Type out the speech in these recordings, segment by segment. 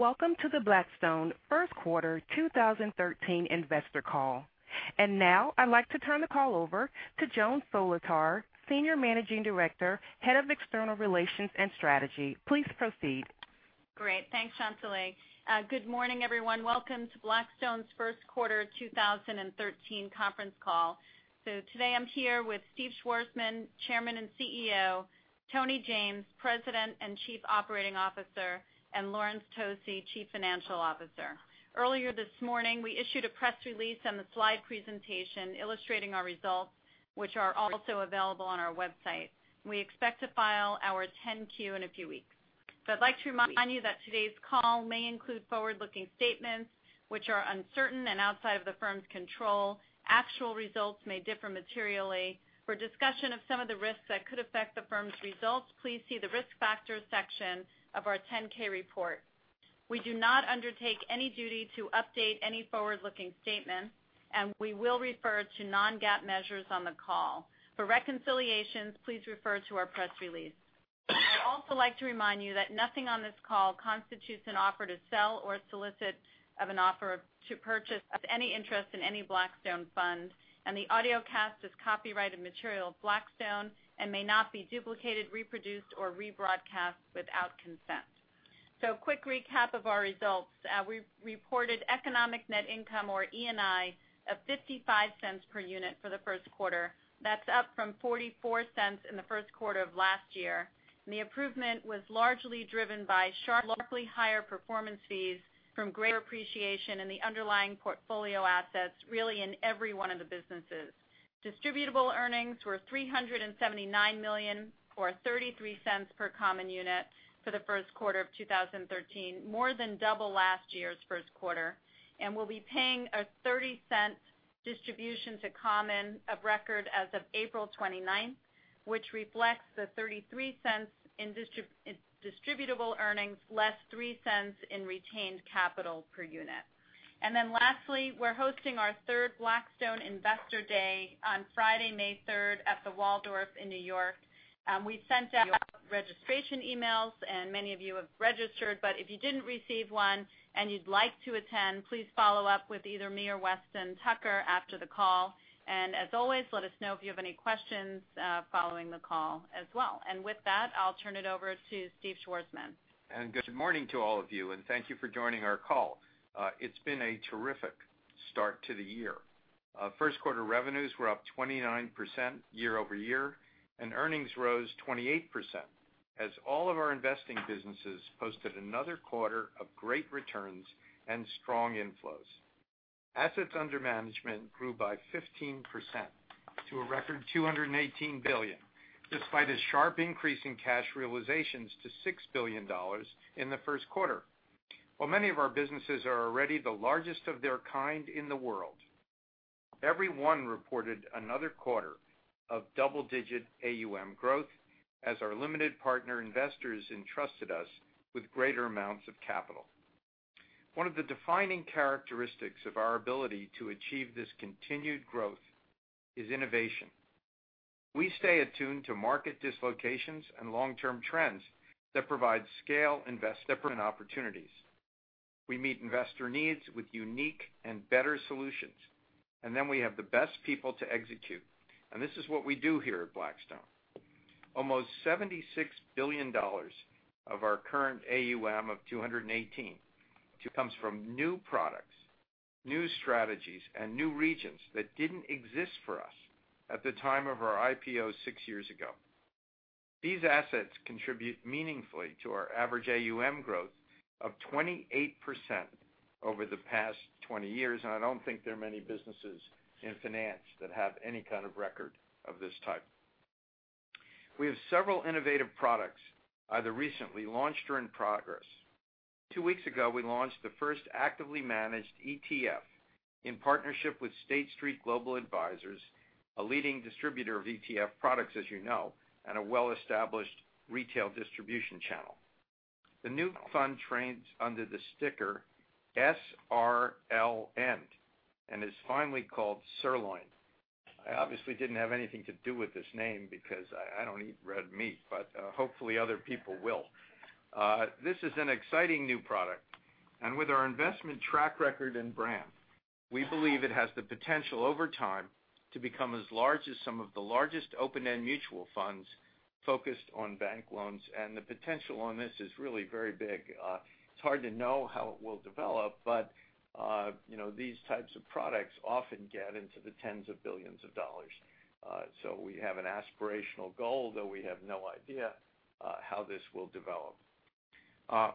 Welcome to the Blackstone first quarter 2013 investor call. Now I'd like to turn the call over to Joan Solotar, Senior Managing Director, Head of External Relations and Strategy. Please proceed. Great. Thanks, Chantelle. Good morning, everyone. Welcome to Blackstone's first quarter 2013 conference call. Today I'm here with Steve Schwarzman, Chairman and CEO, Tony James, President and Chief Operating Officer, and Laurence Tosi, Chief Financial Officer. Earlier this morning, we issued a press release and the slide presentation illustrating our results, which are also available on our website. We expect to file our 10-Q in a few weeks. I'd like to remind you that today's call may include forward-looking statements, which are uncertain and outside of the firm's control. Actual results may differ materially. For discussion of some of the risks that could affect the firm's results, please see the Risk Factors section of our 10-K report. We do not undertake any duty to update any forward-looking statements. We will refer to non-GAAP measures on the call. For reconciliations, please refer to our press release. I'd also like to remind you that nothing on this call constitutes an offer to sell or solicit of an offer to purchase of any interest in any Blackstone funds. The audiocast is copyrighted material of Blackstone and may not be duplicated, reproduced, or rebroadcast without consent. A quick recap of our results. We reported economic net income or ENI of $0.55 per unit for the first quarter. That's up from $0.44 in the first quarter of last year. The improvement was largely driven by sharply higher performance fees from greater appreciation in the underlying portfolio assets, really in every one of the businesses. Distributable earnings were $379 million, or $0.33 per common unit for the first quarter of 2013, more than double last year's first quarter. We'll be paying a $0.30 distribution to common of record as of April 29th, which reflects the $0.33 in distributable earnings less $0.03 in retained capital per unit. Lastly, we're hosting our third Blackstone Investor Day on Friday, May 3rd, at the Waldorf in New York. We sent out registration emails. Many of you have registered. If you didn't receive one and you'd like to attend, please follow up with either me or Weston Tucker after the call. As always, let us know if you have any questions following the call as well. With that, I'll turn it over to Steve Schwarzman. Good morning to all of you, and thank you for joining our call. It's been a terrific start to the year. First quarter revenues were up 29% year-over-year, and earnings rose 28%, as all of our investing businesses posted another quarter of great returns and strong inflows. Assets under management grew by 15% to a record $218 billion, despite a sharp increase in cash realizations to $6 billion in the first quarter. While many of our businesses are already the largest of their kind in the world, every one reported another quarter of double-digit AUM growth as our limited partner investors entrusted us with greater amounts of capital. One of the defining characteristics of our ability to achieve this continued growth is innovation. We stay attuned to market dislocations and long-term trends that provide scale, invest different opportunities. This is what we do here at Blackstone. Almost $76 billion of our current AUM of $218 comes from new products, new strategies, and new regions that didn't exist for us at the time of our IPO six years ago. These assets contribute meaningfully to our average AUM growth of 28% over the past 20 years, and I don't think there are many businesses in finance that have any kind of record of this type. We have several innovative products either recently launched or in progress. Two weeks ago, we launched the first actively managed ETF in partnership with State Street Global Advisors, a leading distributor of ETF products, as you know, and a well-established retail distribution channel. The new fund trades under the ticker SRLN, and is finally called Sirloined. I obviously didn't have anything to do with this name because I don't eat red meat, but hopefully other people will. This is an exciting new product. With our investment track record and brand, we believe it has the potential over time to become as large as some of the largest open-end mutual funds focused on bank loans, and the potential on this is really very big. It's hard to know how it will develop, but these types of products often get into the tens of billions of dollars. So we have an aspirational goal, though we have no idea how this will develop.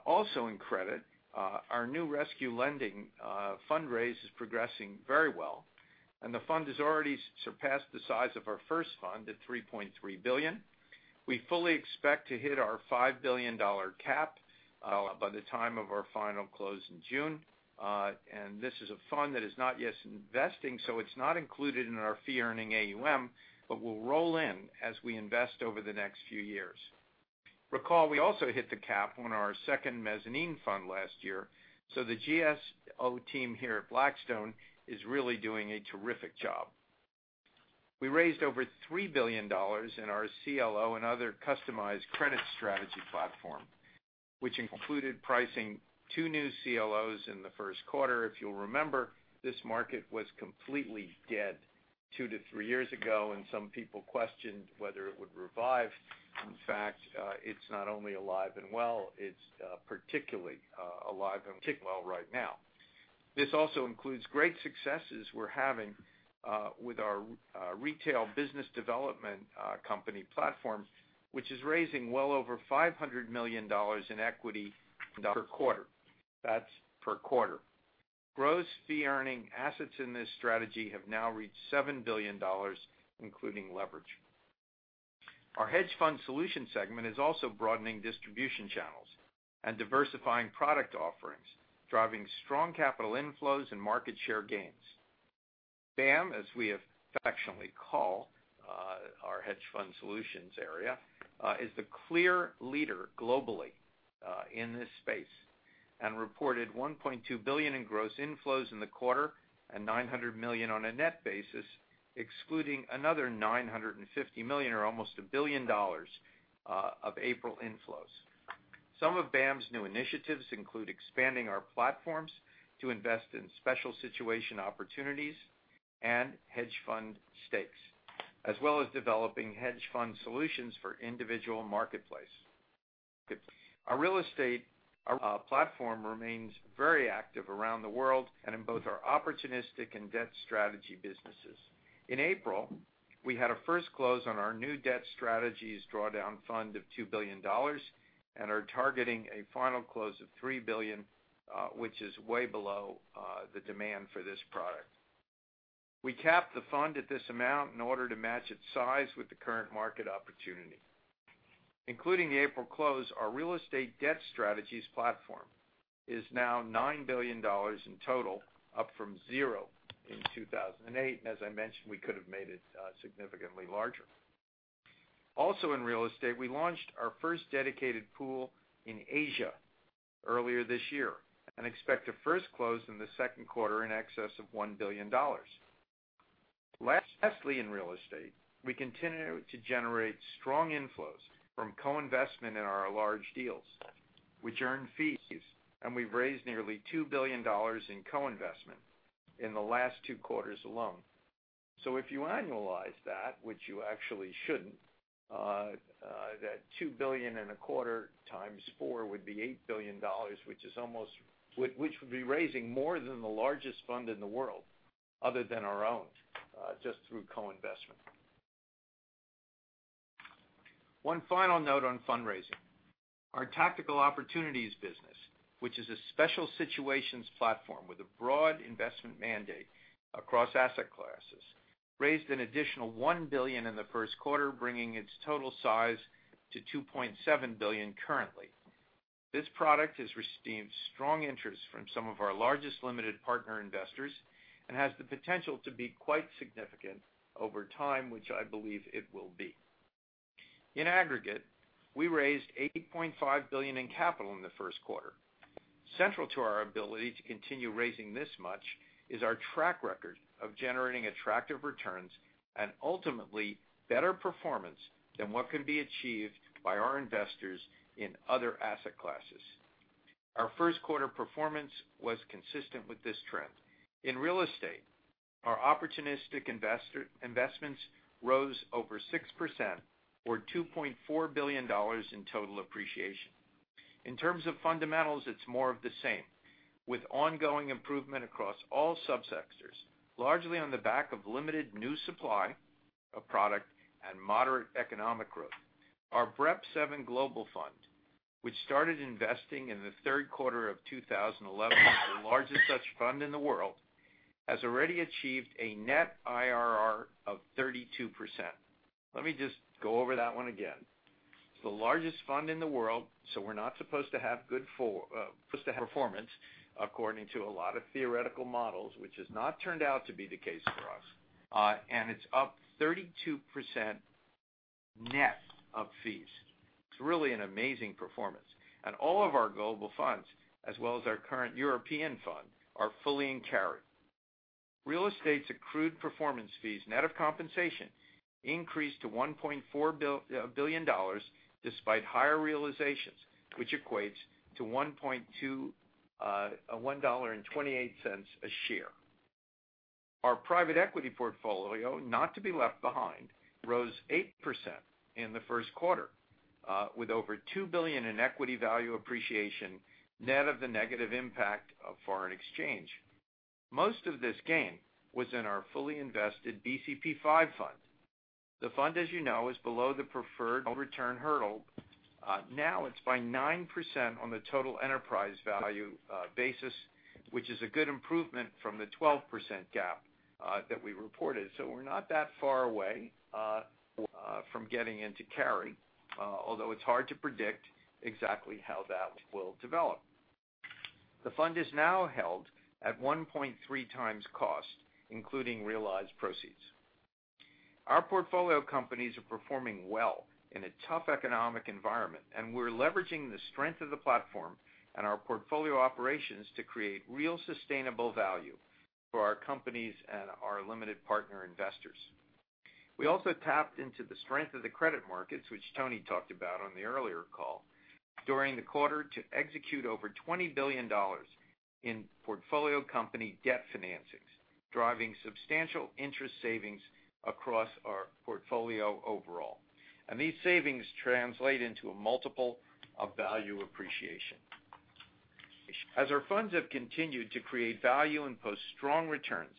Also in credit, our new rescue lending fundraise is progressing very well, and the fund has already surpassed the size of our first fund at $3.3 billion. We fully expect to hit our $5 billion cap by the time of our final close in June. This is a fund that is not yet investing, so it's not included in our fee-earning AUM, but will roll in as we invest over the next few years. Recall, we also hit the cap on our second mezzanine fund last year, so the GSO team here at Blackstone is really doing a terrific job. We raised over $3 billion in our CLO and other customized credit strategy platform, which included pricing two new CLOs in the first quarter. If you'll remember, this market was completely dead two to three years ago, and some people questioned whether it would revive. In fact, it's not only alive and well, it's particularly alive and kicking well right now. This also includes great successes we're having with our retail business development company platform, which is raising well over $500 million in equity per quarter. That's per quarter. Gross fee-earning assets in this strategy have now reached $7 billion, including leverage. Our hedge fund solutions segment is also broadening distribution channels and diversifying product offerings, driving strong capital inflows and market share gains. BAM, as we affectionately call our hedge fund solutions area, is the clear leader globally in this space, and reported $1.2 billion in gross inflows in the quarter and $900 million on a net basis, excluding another $950 million or almost $1 billion of April inflows. Some of BAM's new initiatives include expanding our platforms to invest in special situation opportunities and hedge fund stakes, as well as developing hedge fund solutions for individual marketplace. Our real estate platform remains very active around the world and in both our opportunistic and debt strategy businesses. In April, we had our first close on our new debt strategies drawdown fund of $2 billion and are targeting a final close of $3 billion, which is way below the demand for this product. We capped the fund at this amount in order to match its size with the current market opportunity. Including the April close, our real estate debt strategies platform is now $9 billion in total, up from zero in 2008, and as I mentioned, we could have made it significantly larger. Also, in real estate, we launched our first dedicated pool in Asia earlier this year and expect to first close in the second quarter in excess of $1 billion. Lastly in real estate, we continue to generate strong inflows from co-investment in our large deals, which earn fees, and we've raised nearly $2 billion in co-investment in the last two quarters alone. If you annualize that, which you actually shouldn't, that $2 billion in a quarter times four would be $8 billion, which would be raising more than the largest fund in the world other than our own, just through co-investment. One final note on fundraising. Our Tactical Opportunities business, which is a special situations platform with a broad investment mandate across asset classes, raised an additional $1 billion in the first quarter, bringing its total size to $2.7 billion currently. This product has received strong interest from some of our largest limited partner investors and has the potential to be quite significant over time, which I believe it will be. In aggregate, we raised $8.5 billion in capital in the first quarter. Central to our ability to continue raising this much is our track record of generating attractive returns and ultimately better performance than what can be achieved by our investors in other asset classes. Our first quarter performance was consistent with this trend. In real estate, our opportunistic investments rose over 6% or $2.4 billion in total appreciation. In terms of fundamentals, it's more of the same, with ongoing improvement across all subsectors, largely on the back of limited new supply of product and moderate economic growth. Our BREP VII global fund, which started investing in the third quarter of 2011, the largest such fund in the world, has already achieved a net IRR of 32%. Let me just go over that one again. It's the largest fund in the world, we're not supposed to have good performance according to a lot of theoretical models, which has not turned out to be the case for us. It's up 32% net of fees. It's really an amazing performance. All of our global funds, as well as our current European fund, are fully in carry. Real estate's accrued performance fees, net of compensation, increased to $1.4 billion despite higher realizations, which equates to $1.28 a share. Our private equity portfolio, not to be left behind, rose 8% in the first quarter with over $2 billion in equity value appreciation, net of the negative impact of foreign exchange. Most of this gain was in our fully invested Blackstone Capital Partners V fund. The fund, as you know, is below the preferred return hurdle. Now it's by 9% on the total enterprise value basis, which is a good improvement from the 12% gap that we reported. We're not that far away from getting into carry, although it's hard to predict exactly how that will develop. The fund is now held at 1.3 times cost, including realized proceeds. Our portfolio companies are performing well in a tough economic environment, and we're leveraging the strength of the platform and our portfolio operations to create real sustainable value for our companies and our limited partner investors. We also tapped into the strength of the credit markets, which Tony talked about on the earlier call, during the quarter to execute over $20 billion in portfolio company debt financings, driving substantial interest savings across our portfolio overall. These savings translate into a multiple of value appreciation. As our funds have continued to create value and post strong returns,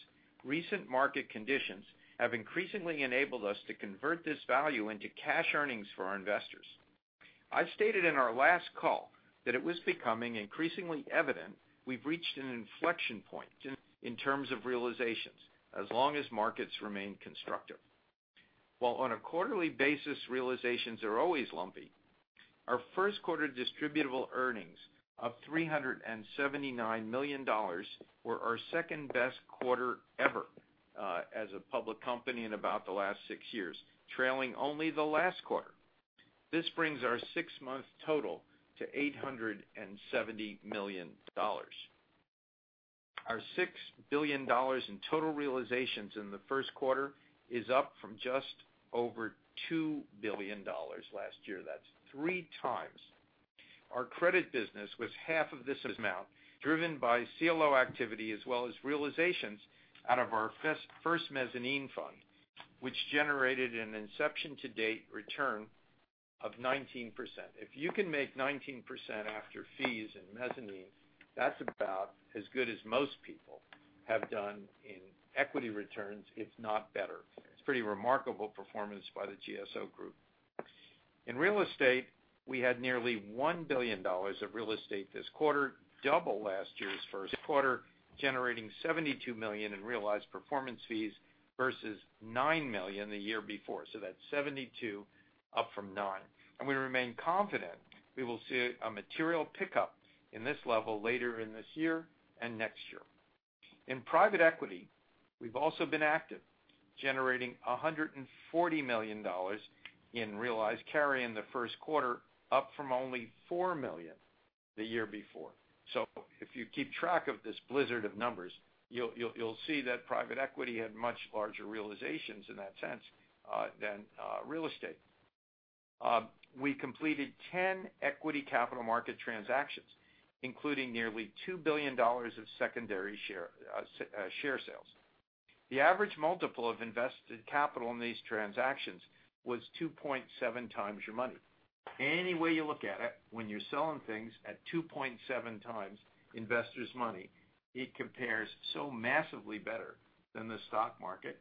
recent market conditions have increasingly enabled us to convert this value into cash earnings for our investors. I stated in our last call that it was becoming increasingly evident we've reached an inflection point in terms of realizations, as long as markets remain constructive. While on a quarterly basis, realizations are always lumpy, our first quarter distributable earnings of $379 million were our second-best quarter ever, as a public company in about the last six years, trailing only the last quarter. This brings our six-month total to $870 million. Our $6 billion in total realizations in the first quarter is up from just over $2 billion last year. That's three times. Our credit business was half of this amount, driven by CLO activity as well as realizations out of our first mezzanine fund, which generated an inception-to-date return of 19%. If you can make 19% after fees in mezzanine, that's about as good as most people have done in equity returns, if not better. It's pretty remarkable performance by the GSO group. In real estate, we had nearly $1 billion of real estate this quarter, double last year's first quarter, generating $72 million in realized performance fees versus $9 million the year before. That's 72 up from 9. We remain confident we will see a material pickup in this level later in this year and next year. If you keep track of this blizzard of numbers, you'll see that private equity had much larger realizations in that sense, than real estate. We completed 10 equity capital market transactions, including nearly $2 billion of secondary share sales. The average multiple of invested capital in these transactions was 2.7 times your money. Any way you look at it, when you're selling things at 2.7 times investors' money, it compares so massively better than the stock market,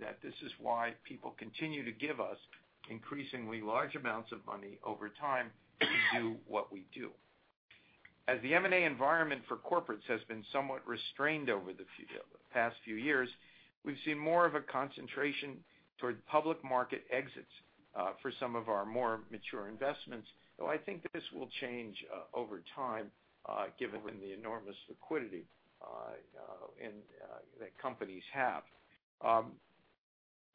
that this is why people continue to give us increasingly large amounts of money over time to do what we do. As the M&A environment for corporates has been somewhat restrained over the past few years, we've seen more of a concentration toward public market exits for some of our more mature investments, though I think this will change over time, given the enormous liquidity that companies have.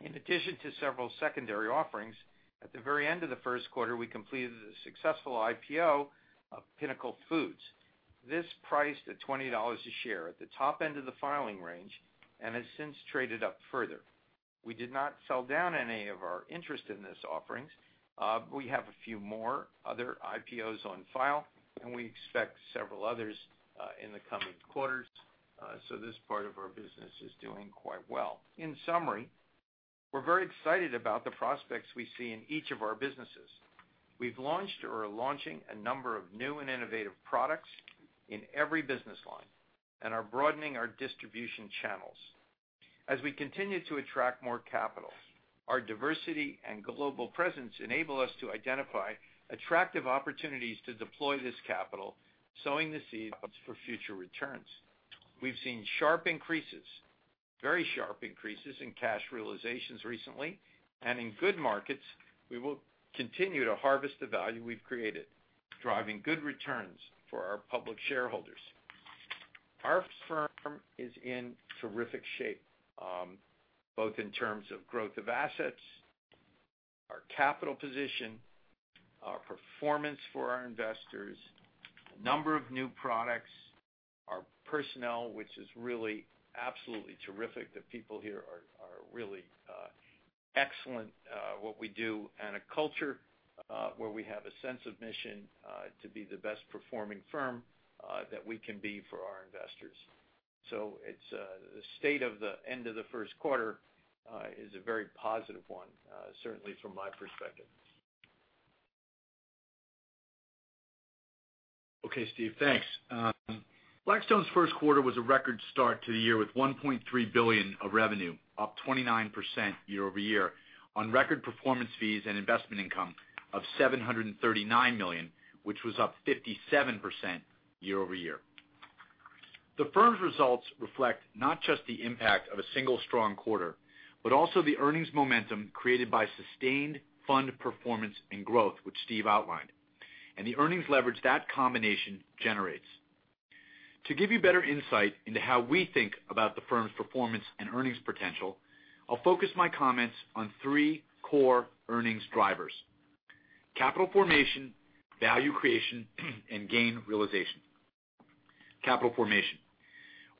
In addition to several secondary offerings, at the very end of the first quarter, we completed a successful IPO of Pinnacle Foods. This priced at $20 a share at the top end of the filing range and has since traded up further. We did not sell down any of our interest in this offerings. We have a few more other IPOs on file, and we expect several others in the coming quarters. This part of our business is doing quite well. In summary, we're very excited about the prospects we see in each of our businesses. We've launched or are launching a number of new and innovative products in every business line and are broadening our distribution channels. As we continue to attract more capital, our diversity and global presence enable us to identify attractive opportunities to deploy this capital, sowing the seeds for future returns. We've seen sharp increases, very sharp increases in cash realizations recently, and in good markets, we will continue to harvest the value we've created, driving good returns for our public shareholders. Our firm is in terrific shape, both in terms of growth of assets, our capital position, our performance for our investors, the number of new products, our personnel, which is really absolutely terrific. The people here are really excellent at what we do, and a culture where we have a sense of mission to be the best performing firm that we can be for our investors. The state of the end of the first quarter is a very positive one, certainly from my perspective. Okay, Steve. Thanks. Blackstone's first quarter was a record start to the year with $1.3 billion of revenue, up 29% year-over-year on record performance fees and investment income of $739 million, which was up 57% year-over-year. The firm's results reflect not just the impact of a single strong quarter, but also the earnings momentum created by sustained fund performance and growth, which Steve outlined, and the earnings leverage that combination generates. To give you better insight into how we think about the firm's performance and earnings potential, I'll focus my comments on three core earnings drivers: capital formation, value creation, and gain realization. Capital formation.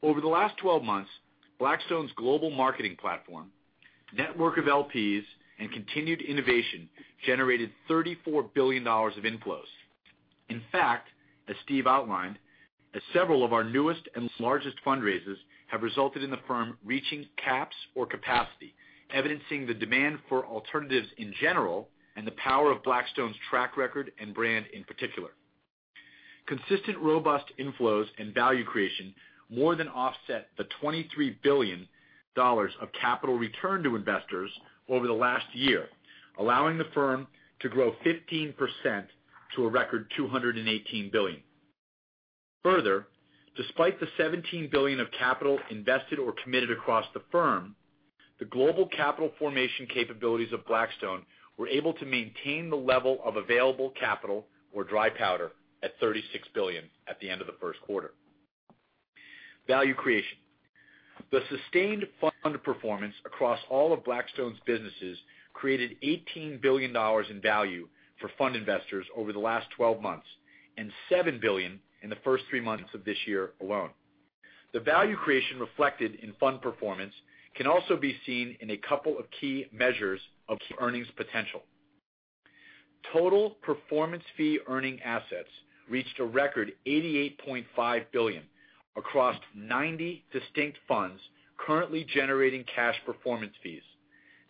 Over the last 12 months, Blackstone's global marketing platform, network of LPs, and continued innovation generated $34 billion of inflows. In fact, as Steve outlined, several of our newest and largest fundraisers have resulted in the firm reaching caps or capacity, evidencing the demand for alternatives in general and the power of Blackstone's track record and brand in particular. Consistent, robust inflows and value creation more than offset the $23 billion of capital returned to investors over the last year, allowing the firm to grow 15% to a record $218 billion. Despite the $17 billion of capital invested or committed across the firm, the global capital formation capabilities of Blackstone were able to maintain the level of available capital, or dry powder, at $36 billion at the end of the first quarter. Value creation. The sustained fund performance across all of Blackstone's businesses created $18 billion in value for fund investors over the last 12 months, and $7 billion in the first three months of this year alone. The value creation reflected in fund performance can also be seen in a couple of key measures of earnings potential. Total performance fee earning assets reached a record $88.5 billion across 90 distinct funds currently generating cash performance fees.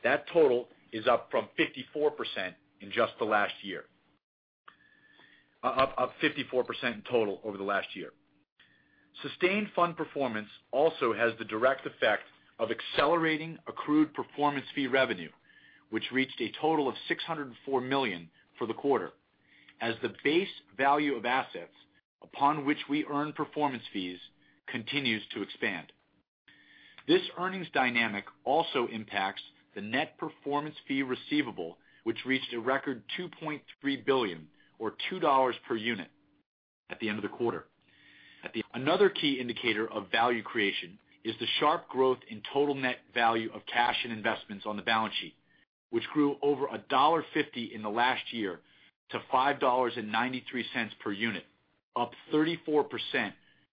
That total is up from 54% in just the last year. Up 54% in total over the last year. Sustained fund performance also has the direct effect of accelerating accrued performance fee revenue, which reached a total of $604 million for the quarter. As the base value of assets upon which we earn performance fees continues to expand, this earnings dynamic also impacts the net performance fee receivable, which reached a record $2.3 billion or $2 per unit at the end of the quarter. Another key indicator of value creation is the sharp growth in total net value of cash and investments on the balance sheet, which grew over $1.50 in the last year to $5.93 per unit, up 34%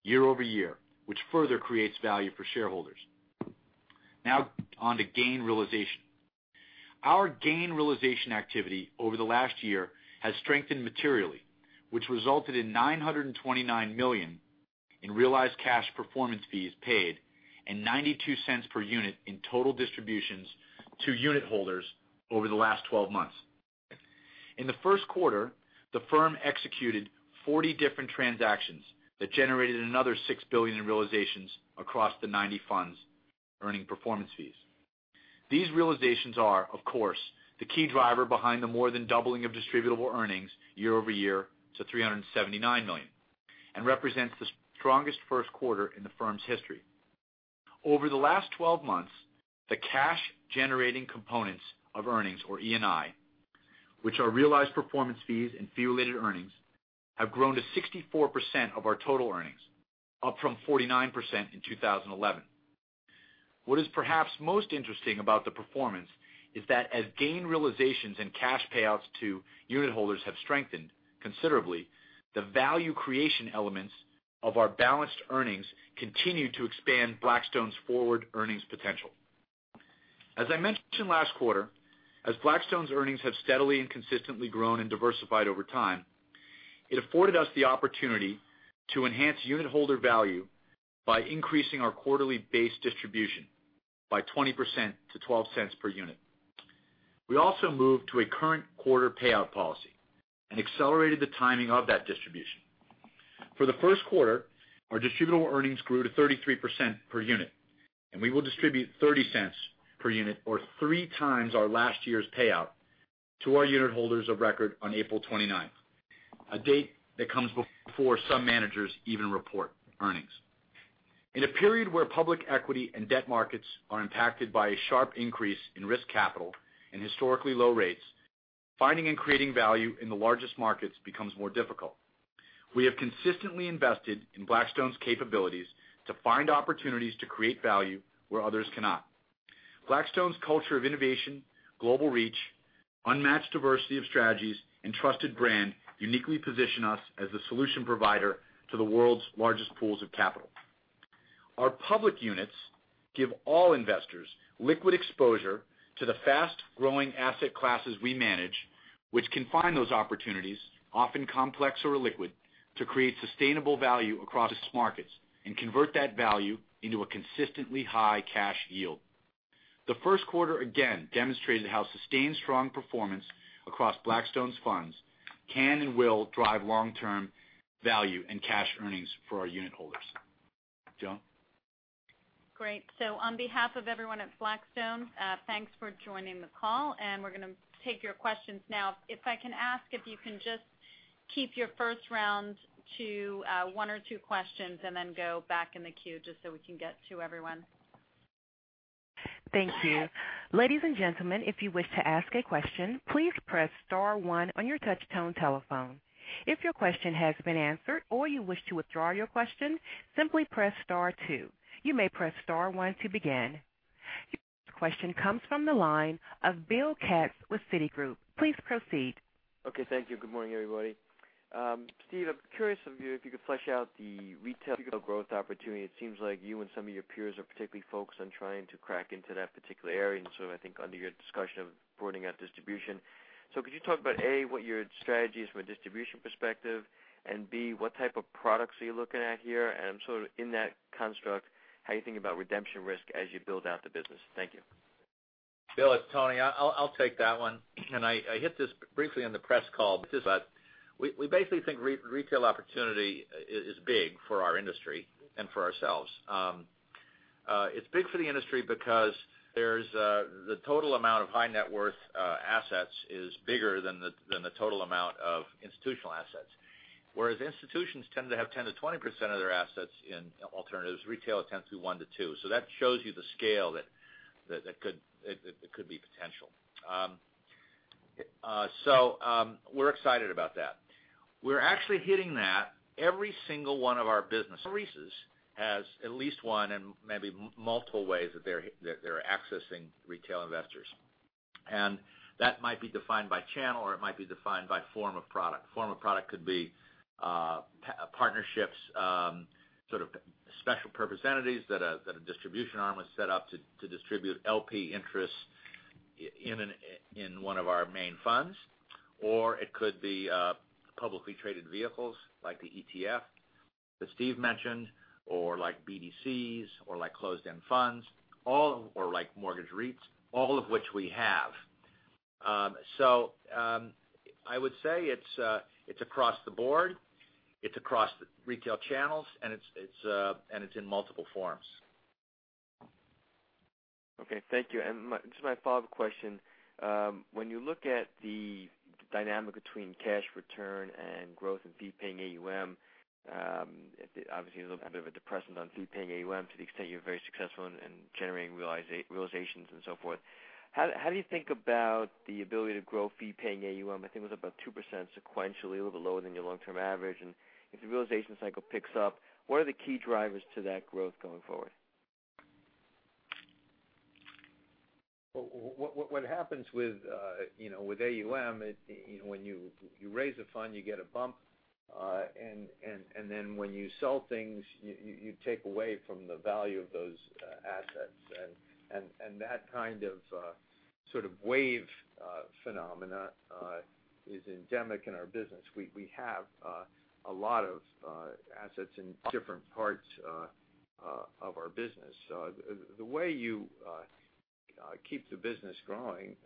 year-over-year, which further creates value for shareholders. Now on to gain realization. Our gain realization activity over the last year has strengthened materially, which resulted in $929 million in realized cash performance fees paid and $0.92 per unit in total distributions to unitholders over the last 12 months. In the first quarter, the firm executed 40 different transactions that generated another $6 billion in realizations across the 90 funds earning performance fees. These realizations are, of course, the key driver behind the more than doubling of distributable earnings year-over-year to $379 million and represents the strongest first quarter in the firm's history. Over the last 12 months, the cash-generating components of earnings or ENI, which are realized performance fees and fee-related earnings, have grown to 64% of our total earnings, up from 49% in 2011. What is perhaps most interesting about the performance is that as gain realizations and cash payouts to unitholders have strengthened considerably, the value creation elements of our balanced earnings continue to expand Blackstone's forward earnings potential. As I mentioned last quarter, as Blackstone's earnings have steadily and consistently grown and diversified over time, it afforded us the opportunity to enhance unitholder value by increasing our quarterly base distribution by 20% to $0.12 per unit. We also moved to a current quarter payout policy and accelerated the timing of that distribution. For the first quarter, our distributable earnings grew to $0.33 per unit, and we will distribute $0.30 per unit or three times our last year's payout to our unit holders of record on April 29th, a date that comes before some managers even report earnings. In a period where public equity and debt markets are impacted by a sharp increase in risk capital and historically low rates, finding and creating value in the largest markets becomes more difficult. We have consistently invested in Blackstone's capabilities to find opportunities to create value where others cannot. Blackstone's culture of innovation, global reach, unmatched diversity of strategies, and trusted brand uniquely position us as the solution provider to the world's largest pools of capital. Our public units give all investors liquid exposure to the fast-growing asset classes we manage, which can find those opportunities, often complex or illiquid, to create sustainable value across markets and convert that value into a consistently high cash yield. The first quarter again demonstrated how sustained strong performance across Blackstone's funds can and will drive long-term value and cash earnings for our unit holders. Joan? Great. On behalf of everyone at Blackstone, thanks for joining the call, we're going to take your questions now. If I can ask if you can just keep your first round to one or two questions and then go back in the queue just so we can get to everyone. Thank you. Ladies and gentlemen, if you wish to ask a question, please press star one on your touch-tone telephone. If your question has been answered or you wish to withdraw your question, simply press star two. You may press star one to begin. Your first question comes from the line of Bill Katz with Citigroup. Please proceed. Okay. Thank you. Good morning, everybody. Steve, I'm curious if you could flesh out the retail growth opportunity. It seems like you and some of your peers are particularly focused on trying to crack into that particular area, I think under your discussion of boarding up distribution. Could you talk about, A, what your strategy is from a distribution perspective, and B, what type of products are you looking at here? Sort of in that construct, how you think about redemption risk as you build out the business. Thank you. Bill, it's Tony. I'll take that one. I hit this briefly on the press call. We basically think retail opportunity is big for our industry and for ourselves. It's big for the industry because the total amount of high net worth assets is bigger than the total amount of institutional assets. Whereas institutions tend to have 10%-20% of their assets in alternatives, retail tends to be 1%-2%. That shows you the scale that could be potential. We're excited about that. We're actually hitting that. Every single one of our businesses has at least one and maybe multiple ways that they're accessing retail investors. That might be defined by channel, or it might be defined by form of product. Form of product could be partnerships, sort of special purpose entities that a distribution arm was set up to distribute LP interests in one of our main funds. It could be publicly traded vehicles like the ETF that Steve mentioned, or like BDCs or like closed-end funds or like mortgage REITs, all of which we have. I would say it's across the board, it's across retail channels, and it's in multiple forms. Okay. Thank you. Just my follow-up question. When you look at the dynamic between cash return and growth in fee-paying AUM, obviously a little bit of a depressant on fee-paying AUM to the extent you're very successful in generating realizations and so forth. How do you think about the ability to grow fee-paying AUM? I think it was about 2% sequentially, a little bit lower than your long-term average. If the realization cycle picks up, what are the key drivers to that growth going forward? What happens with AUM, when you raise a fund, you get a bump, then when you sell things, you take away from the value of those assets. That kind of wave phenomena is endemic in our business. We have a lot of assets in different parts of our business. The way you keep the business growing,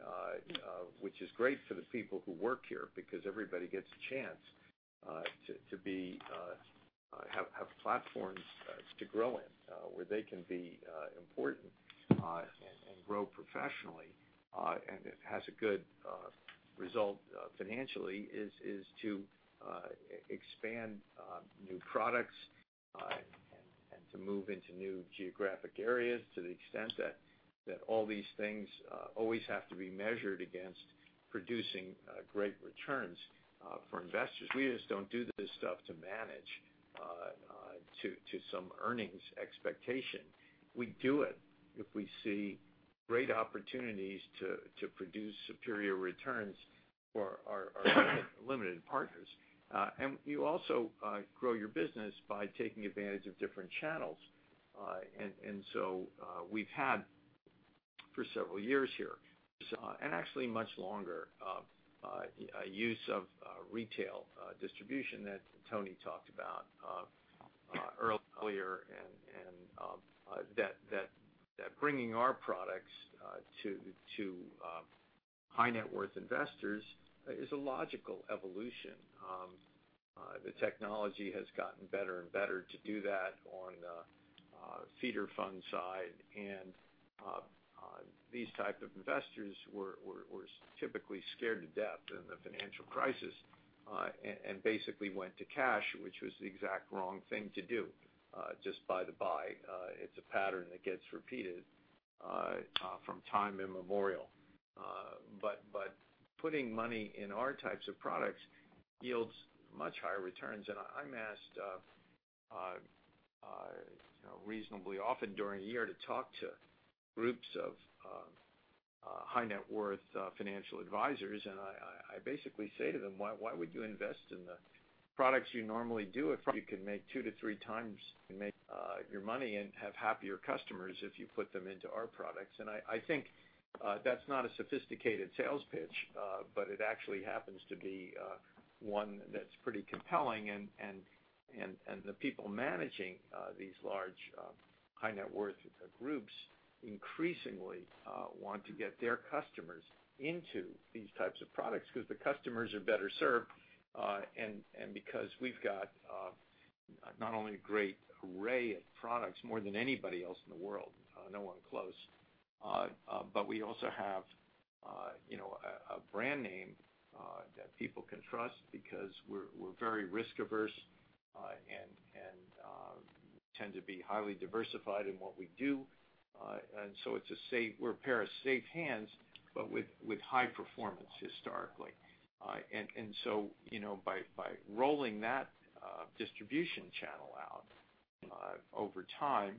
which is great for the people who work here because everybody gets a chance to have platforms to grow in where they can be important and grow professionally, and it has a good result financially, is to expand new products and to move into new geographic areas to the extent that all these things always have to be measured against producing great returns for investors. We just don't do this stuff to manage to some earnings expectation. We do it if we see great opportunities to produce superior returns for our limited partners. You also grow your business by taking advantage of different channels. We've had for several years here, and actually much longer, a use of retail distribution that Tony talked about earlier, and that bringing our products to high net worth investors is a logical evolution. The technology has gotten better and better to do that on the feeder fund side. These type of investors were typically scared to death in the financial crisis and basically went to cash, which was the exact wrong thing to do. By the by, it's a pattern that gets repeated from time immemorial. Putting money in our types of products yields much higher returns. I'm asked reasonably often during a year to talk to groups of high net worth financial advisors, and I basically say to them, "Why would you invest in the products you normally do if you could make two to three times your money and have happier customers if you put them into our products?" I think that's not a sophisticated sales pitch. It actually happens to be one that's pretty compelling. The people managing these large high net worth groups increasingly want to get their customers into these types of products because the customers are better served, and because we've got not only a great array of products, more than anybody else in the world, no one close, but we also have a brand name that people can trust because we're very risk-averse Tend to be highly diversified in what we do. We're a pair of safe hands, but with high performance historically. By rolling that distribution channel out over time,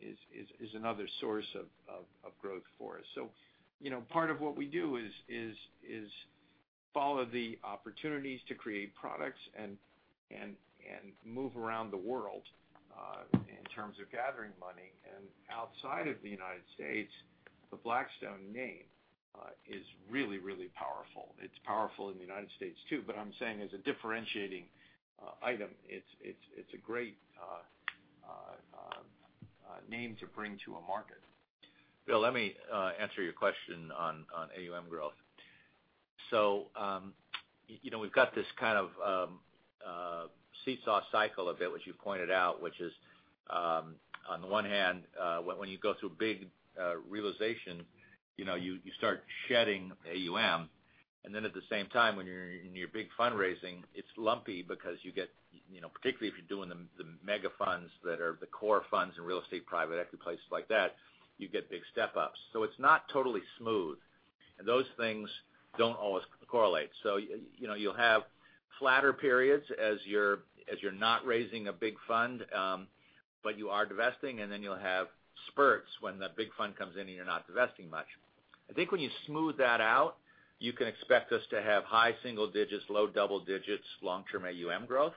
is another source of growth for us. Part of what we do is follow the opportunities to create products and move around the world in terms of gathering money. Outside of the U.S., the Blackstone name is really, really powerful. It's powerful in the U.S. too, but I'm saying as a differentiating item, it's a great name to bring to a market. Bill, let me answer your question on AUM growth. We've got this kind of seesaw cycle a bit, which you pointed out, which is on the one hand when you go through a big realization, you start shedding AUM, and then at the same time when you're in your big fundraising, it's lumpy because you get, particularly if you're doing the mega funds that are the core funds in real estate, private equity, places like that, you get big step-ups. It's not totally smooth. Those things don't always correlate. You'll have flatter periods as you're not raising a big fund, but you are divesting, and then you'll have spurts when the big fund comes in and you're not divesting much. I think when you smooth that out, you can expect us to have high single digits, low double digits, long-term AUM growth.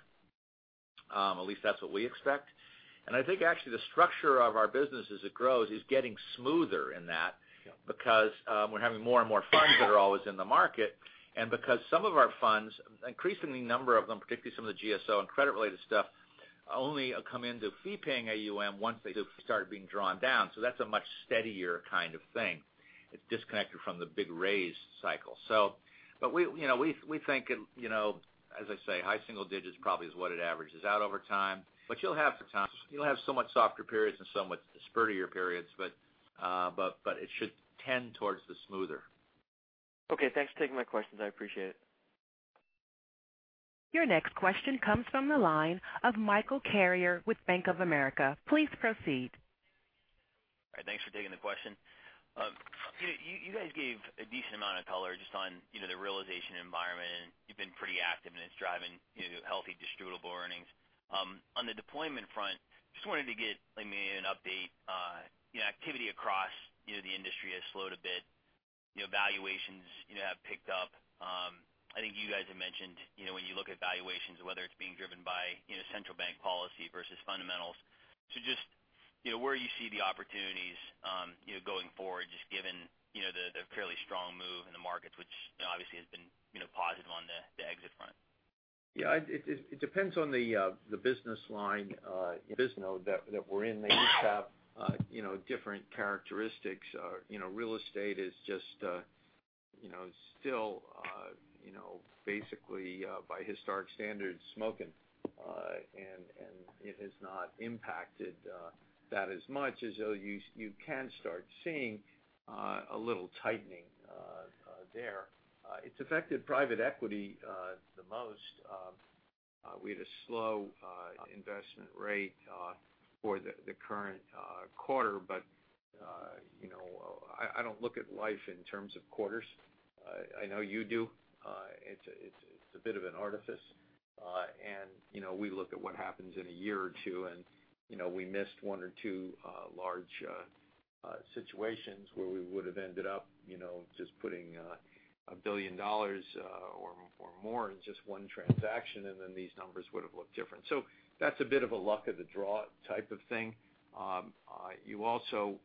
At least that's what we expect. I think actually the structure of our business as it grows is getting smoother in that because we're having more and more funds that are always in the market, and because some of our funds, an increasing number of them, particularly some of the GSO and credit related stuff, only come into fee-earning AUM once they start being drawn down. That's a much steadier kind of thing. It's disconnected from the big raise cycle. We think, as I say, high single digits probably is what it averages out over time. You'll have some much softer periods and some much spurtier periods, but it should tend towards the smoother. Okay, thanks for taking my questions. I appreciate it. Your next question comes from the line of Michael Carrier with Bank of America. Please proceed. All right. Thanks for taking the question. You guys gave a decent amount of color just on the realization environment, and you've been pretty active, and it's driving healthy distributable earnings. On the deployment front, just wanted to get maybe an update. Activity across the industry has slowed a bit. Valuations have picked up. I think you guys have mentioned when you look at valuations, whether it's being driven by central bank policy versus fundamentals. Just where you see the opportunities going forward, just given the fairly strong move in the markets, which obviously has been positive on the exit front. Yeah. It depends on the business line that we're in. They each have different characteristics. Real estate is just still basically by historic standards, smoking, and it has not impacted that as much, as though you can start seeing a little tightening there. It's affected private equity the most. We had a slow investment rate for the current quarter, but I don't look at life in terms of quarters. I know you do. It's a bit of an artifice. We look at what happens in a year or two, and we missed one or two large situations where we would've ended up just putting $1 billion or more in just one transaction, and then these numbers would've looked different. That's a bit of a luck of the draw type of thing. You also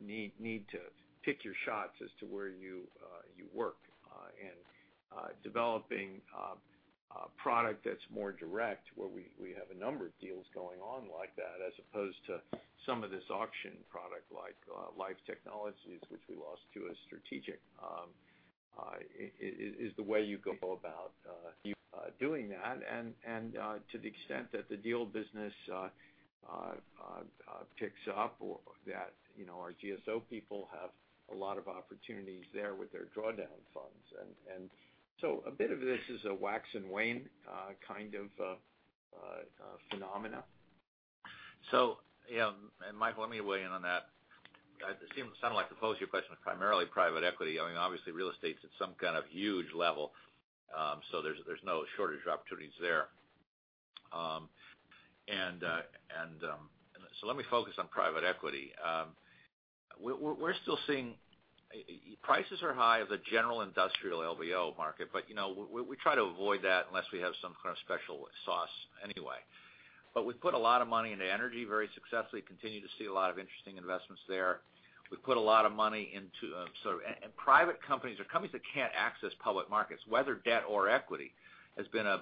need to pick your shots as to where you work. Developing a product that's more direct, where we have a number of deals going on like that, as opposed to some of this auction product like Life Technologies, which we lost to a strategic, is the way you go about doing that. To the extent that the deal business picks up or that our GSO people have a lot of opportunities there with their drawdown funds. A bit of this is a wax and wane kind of phenomena. Michael, let me weigh in on that. It seemed like the pose of your question was primarily private equity. Obviously real estate's at some kind of huge level. There's no shortage of opportunities there. Let me focus on private equity. We're still seeing prices are high of the general industrial LBO market, but we try to avoid that unless we have some kind of special sauce anyway. We put a lot of money into energy very successfully, continue to see a lot of interesting investments there. We put a lot of money into private companies or companies that can't access public markets, whether debt or equity, has been a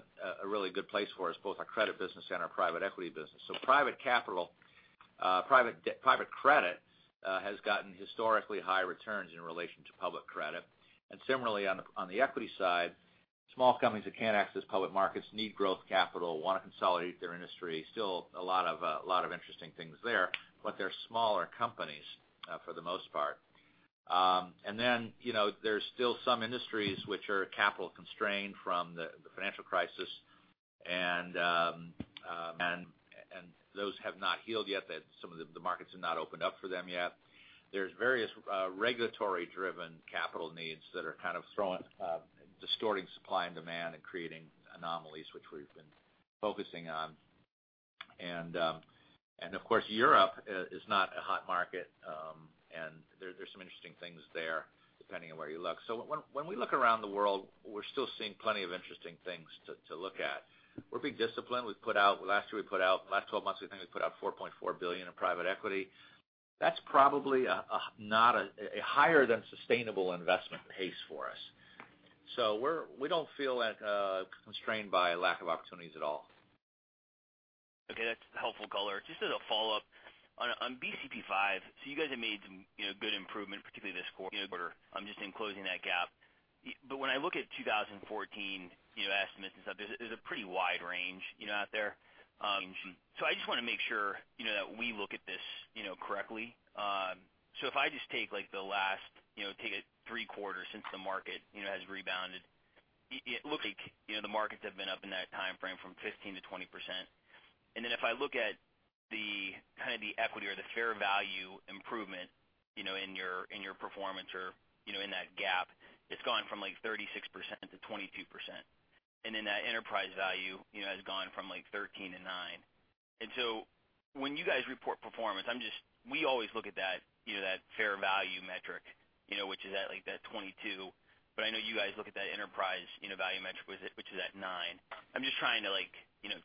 really good place for us, both our credit business and our private equity business. Private credit has gotten historically high returns in relation to public credit. Similarly on the equity side, small companies that can't access public markets need growth capital, want to consolidate their industry. Still a lot of interesting things there, but they're smaller companies for the most part. There's still some industries which are capital constrained from the financial crisis, and those have not healed yet, that some of the markets have not opened up for them yet. There's various regulatory-driven capital needs that are kind of distorting supply and demand and creating anomalies, which we've been focusing on. Of course, Europe is not a hot market. There's some interesting things there, depending on where you look. When we look around the world, we're still seeing plenty of interesting things to look at. We're being disciplined. The last 12 months, we think we put out $4.4 billion in private equity. That's probably a higher than sustainable investment pace for us. We don't feel constrained by a lack of opportunities at all. Okay. That's helpful color. Just as a follow-up. On BCP 5, you guys have made some good improvement, particularly this quarter, just in closing that gap. When I look at 2014 estimates and stuff, there's a pretty wide range out there. I just want to make sure that we look at this correctly. If I just take the last three quarters since the market has rebounded, it looks like the markets have been up in that timeframe from 15%-20%. If I look at the equity or the fair value improvement in your performance or in that gap, it's gone from 36%-22%. That enterprise value has gone from 13% to 9%. When you guys report performance, we always look at that fair value metric, which is at that 22%. I know you guys look at that enterprise value metric, which is at 9%. I'm just trying to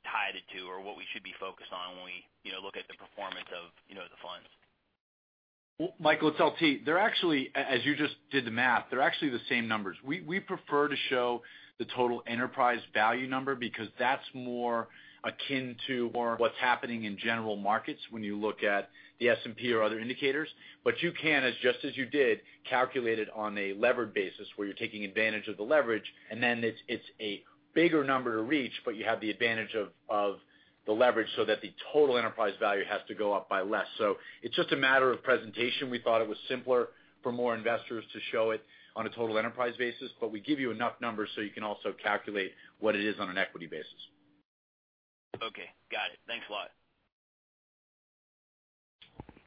tie the two or what we should be focused on when we look at the performance of the funds. Michael, it's LT. As you just did the math, they're actually the same numbers. We prefer to show the total enterprise value number because that's more akin to more what's happening in general markets when you look at the S&P or other indicators. You can, as just as you did, calculate it on a levered basis where you're taking advantage of the leverage, and then it's a bigger number to reach, but you have the advantage of the leverage so that the total enterprise value has to go up by less. It's just a matter of presentation. We thought it was simpler for more investors to show it on a total enterprise basis, but we give you enough numbers so you can also calculate what it is on an equity basis. Okay. Got it. Thanks a lot.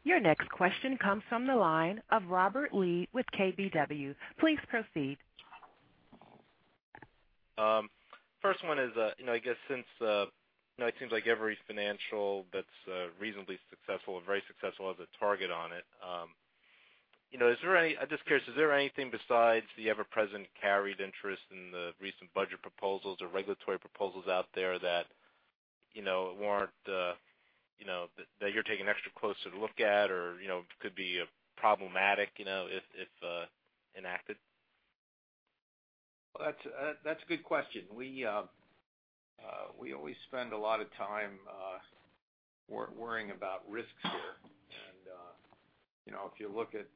Your next question comes from the line of Robert Lee with KBW. Please proceed. First one is, I guess since it seems like every financial that's reasonably successful or very successful has a target on it. I'm just curious, is there anything besides the ever-present carried interest in the recent budget proposals or regulatory proposals out there that you're taking an extra closer look at or could be problematic if enacted? That's a good question. We always spend a lot of time worrying about risks here. If you look at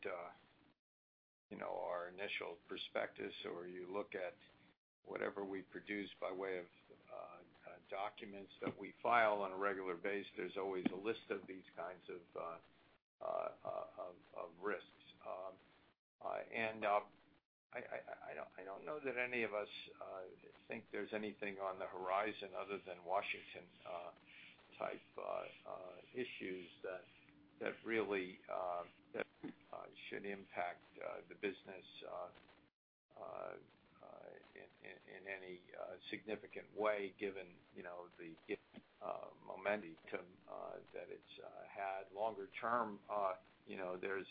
our initial prospectus or you look at whatever we produce by way of documents that we file on a regular basis, there's always a list of these kinds of risks. I don't know that any of us think there's anything on the horizon other than Washington-type issues that really should impact the business in any significant way, given the momentum that it's had longer term. There's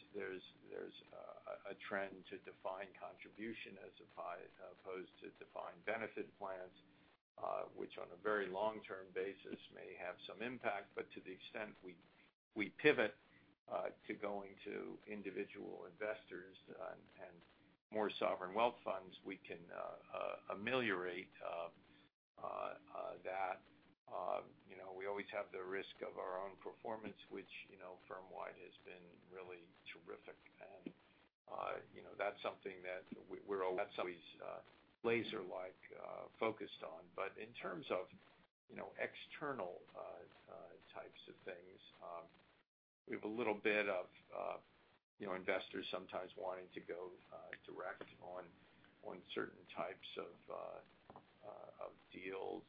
a trend to defined contribution as opposed to defined benefit plans which on a very long-term basis may have some impact. To the extent we pivot to going to individual investors and more sovereign wealth funds, we can ameliorate that. We always have the risk of our own performance, which firm-wide has been really terrific. That's something that we're always laser-like focused on. In terms of external types of things, we have a little bit of investors sometimes wanting to go direct on certain types of deals.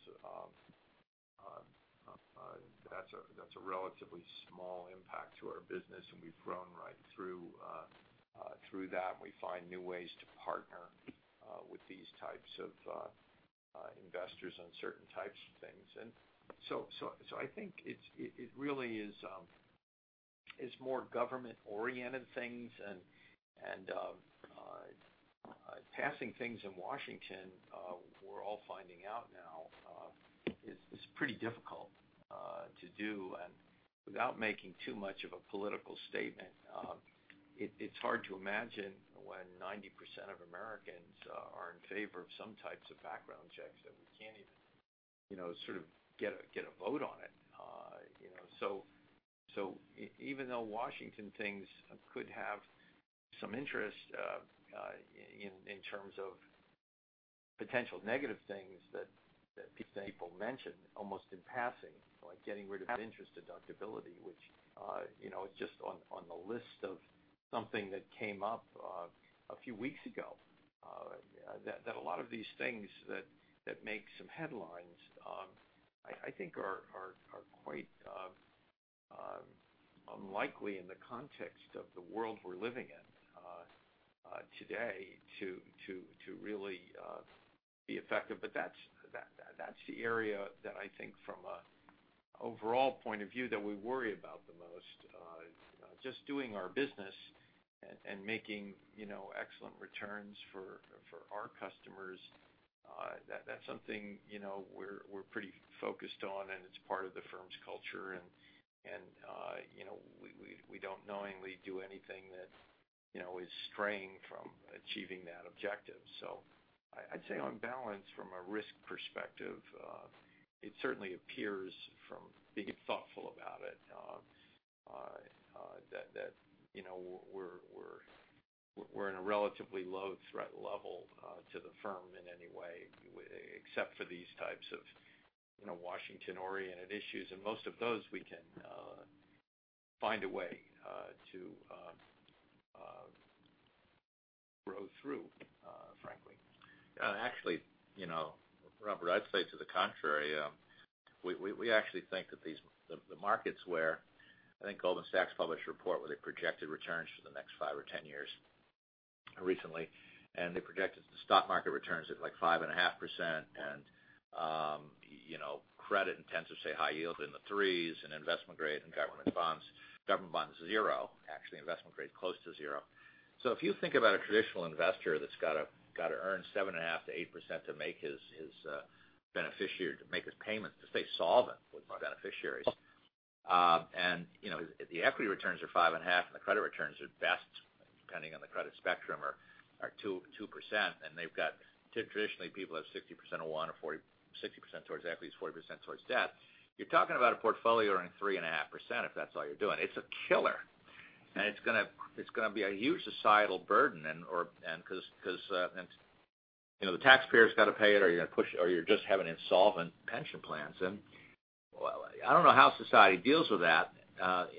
That's a relatively small impact to our business, and we've grown right through that, and we find new ways to partner with these types of investors on certain types of things. I think it really is more government-oriented things and passing things in Washington, we're all finding out now, is pretty difficult to do. Without making too much of a political statement, it's hard to imagine when 90% of Americans are in favor of some types of background checks that we can't even sort of get a vote on it. Even though Washington things could have some interest. In terms of potential negative things that people mention almost in passing, like getting rid of interest deductibility, which is just on the list of something that came up a few weeks ago. That a lot of these things that make some headlines, I think are quite unlikely in the context of the world we're living in today to really be effective. That's the area that I think from an overall point of view, that we worry about the most. Just doing our business and making excellent returns for our customers. That's something we're pretty focused on, and it's part of the firm's culture. We don't knowingly do anything that is straying from achieving that objective. I'd say on balance, from a risk perspective, it certainly appears from being thoughtful about it, that we're in a relatively low threat level to the firm in any way except for these types of Washington-oriented issues. Most of those we can find a way to grow through, frankly. Actually, Robert, I'd say to the contrary. We actually think that the markets where I think Goldman Sachs published a report where they projected returns for the next five or 10 years recently, they projected the stock market returns at 5.5%. Credit tends to say high yield in the threes and investment grade and government bonds zero. Actually, investment grade close to zero. If you think about a traditional investor that's got to earn 7.5% to 8% to make his payments to stay solvent with beneficiaries. The equity returns are 5.5% and the credit returns are best, depending on the credit spectrum, are 2%. They've got, traditionally people have 60% of one or 60% towards equities, 40% towards debt. You're talking about a portfolio earning 3.5% if that's all you're doing. It's a killer. It's going to be a huge societal burden because the taxpayers got to pay it or you're just having insolvent pension plans. Well, I don't know how society deals with that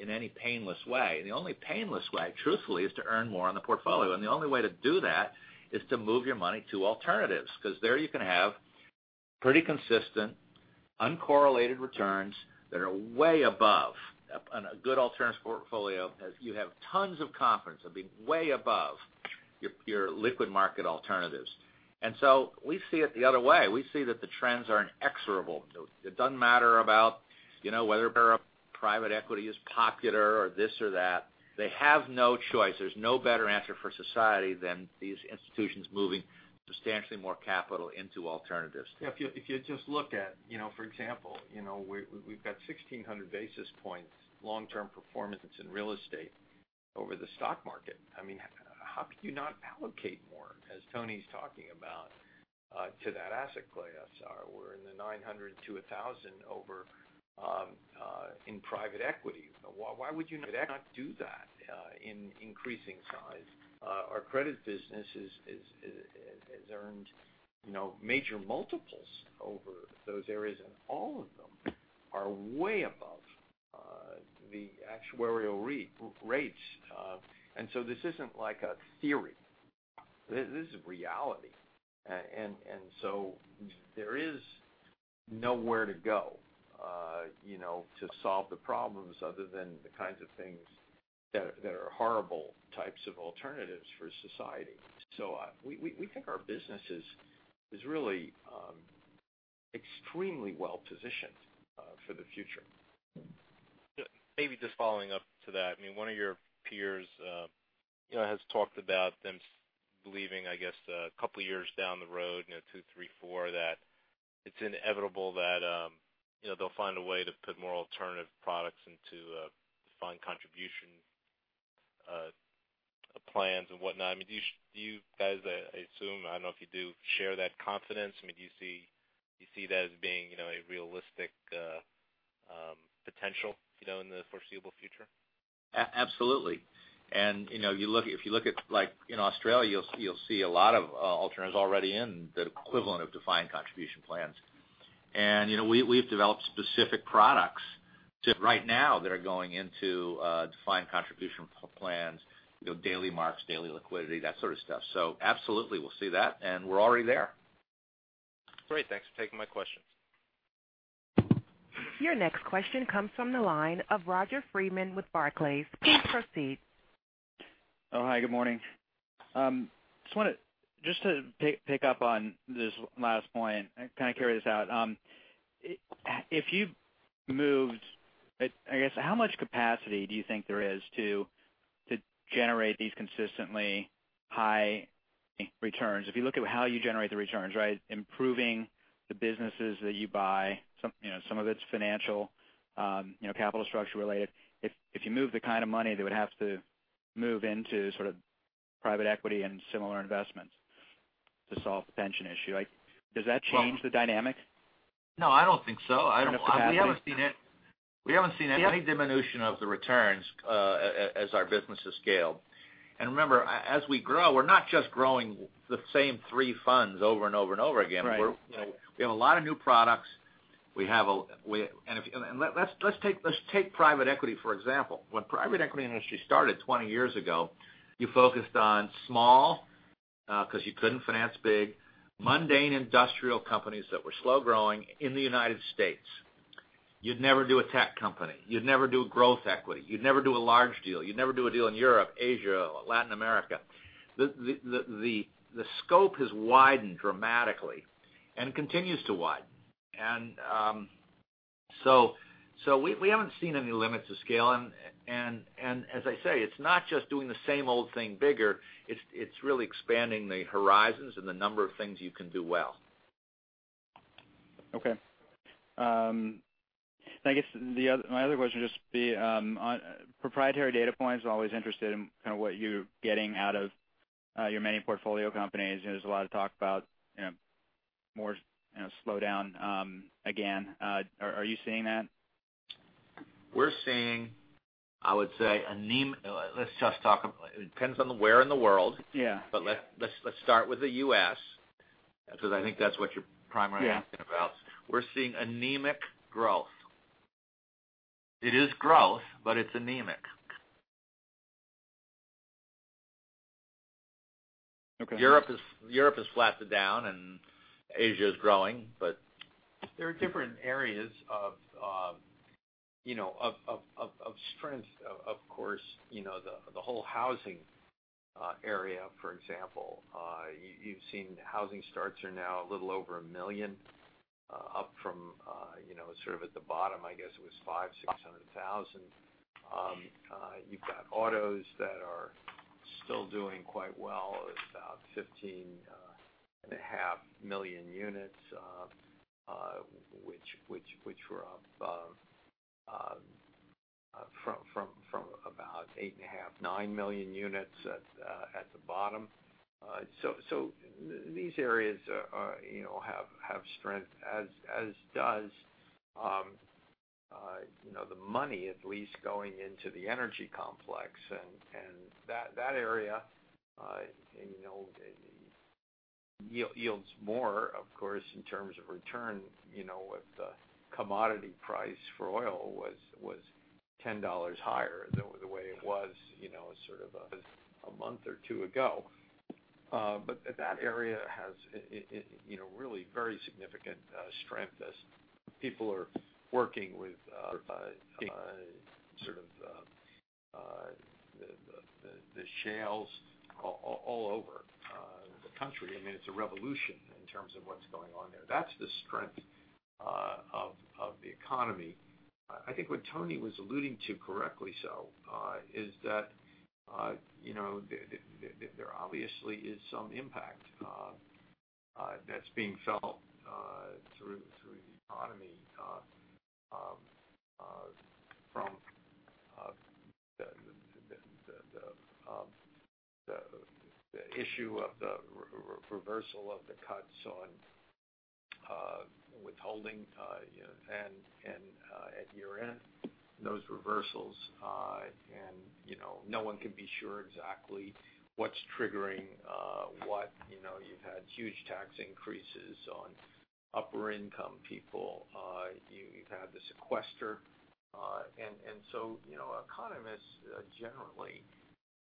in any painless way. The only painless way, truthfully, is to earn more on the portfolio. The only way to do that is to move your money to alternatives. Because there you can have pretty consistent, uncorrelated returns that are way above. On a good alternatives portfolio, you have tons of confidence. It'll be way above your liquid market alternatives. We see it the other way. We see that the trends are inexorable. It doesn't matter about whether private equity is popular or this or that. They have no choice. There's no better answer for society than these institutions moving substantially more capital into alternatives. If you just look at, for example we've got 1,600 basis points long-term performance in real estate over the stock market. How could you not allocate more, as Tony's talking about, to that asset class? We're in the 900 to 1,000 over in private equity. Why would you not do that in increasing size? Our credit business has earned major multiples over those areas, and all of them are way above the actuarial rates. This isn't like a theory. This is reality. There is nowhere to go to solve the problems other than the kinds of things that are horrible types of alternatives for society. We think our business is really extremely well-positioned for the future. Maybe just following up to that. One of your peers has talked about them believing, I guess, a couple of years down the road, two, three, four, that it's inevitable that they'll find a way to put more alternative products into defined contribution plans and whatnot. Do you guys, I assume, I don't know if you do, share that confidence? Do you see that as being a realistic potential in the foreseeable future? Absolutely. If you look at Australia, you'll see a lot of alternatives already in the equivalent of defined contribution plans. We've developed specific products right now that are going into defined contribution plans, daily marks, daily liquidity, that sort of stuff. Absolutely, we'll see that, and we're already there. Great, thanks for taking my questions. Your next question comes from the line of Roger Freeman with Barclays. Please proceed. Oh, hi, good morning. Just to pick up on this last point and kind of carry this out. If you moved, how much capacity do you think there is to generate these consistently high returns? If you look at how you generate the returns, improving the businesses that you buy. Some of it's financial capital structure related. If you move the kind of money that would have to move into private equity and similar investments. To solve the pension issue. Does that change the dynamic? No, I don't think so. It'll keep happening. We haven't seen any diminution of the returns as our businesses scale. Remember, as we grow, we're not just growing the same three funds over and over again. Right. We have a lot of new products. Let's take private equity, for example. When the private equity industry started 20 years ago, you focused on small, because you couldn't finance big, mundane industrial companies that were slow-growing in the U.S. You'd never do a tech company. You'd never do growth equity. You'd never do a large deal. You'd never do a deal in Europe, Asia, Latin America. The scope has widened dramatically and continues to widen. We haven't seen any limits to scale, and as I say, it's not just doing the same old thing bigger, it's really expanding the horizons and the number of things you can do well. Okay. I guess my other question would just be on proprietary data points. Always interested in what you're getting out of your many portfolio companies. There's a lot of talk about more slowdown again. Are you seeing that? We're seeing, I would say it depends on where in the world. Yeah. Let's start with the U.S., because I think that's what you're primarily asking about. We're seeing anemic growth. It is growth, but it's anemic. Okay. Europe has flattened down and Asia is growing, but there are different areas of strength, of course. The whole housing area, for example, you've seen housing starts are now a little over 1 million, up from at the bottom, I guess it was 500,000, 600,000. You've got autos that are still doing quite well at about 15.5 million units, which were up from about 8.5 million, 9 million units at the bottom. These areas have strength, as does the money at least going into the energy complex. That area yields more, of course, in terms of return, if the commodity price for oil was $10 higher the way it was a month or two ago. That area has really very significant strength as people are working with the shales all over the country. It's a revolution in terms of what's going on there. That's the strength of the economy. I think what Tony was alluding to, correctly so, is that there obviously is some impact that's being felt through the economy from the issue of the reversal of the cuts on withholding at year-end, those reversals. No one can be sure exactly what's triggering what. You've had huge tax increases on upper-income people. You've had the sequester. Economists generally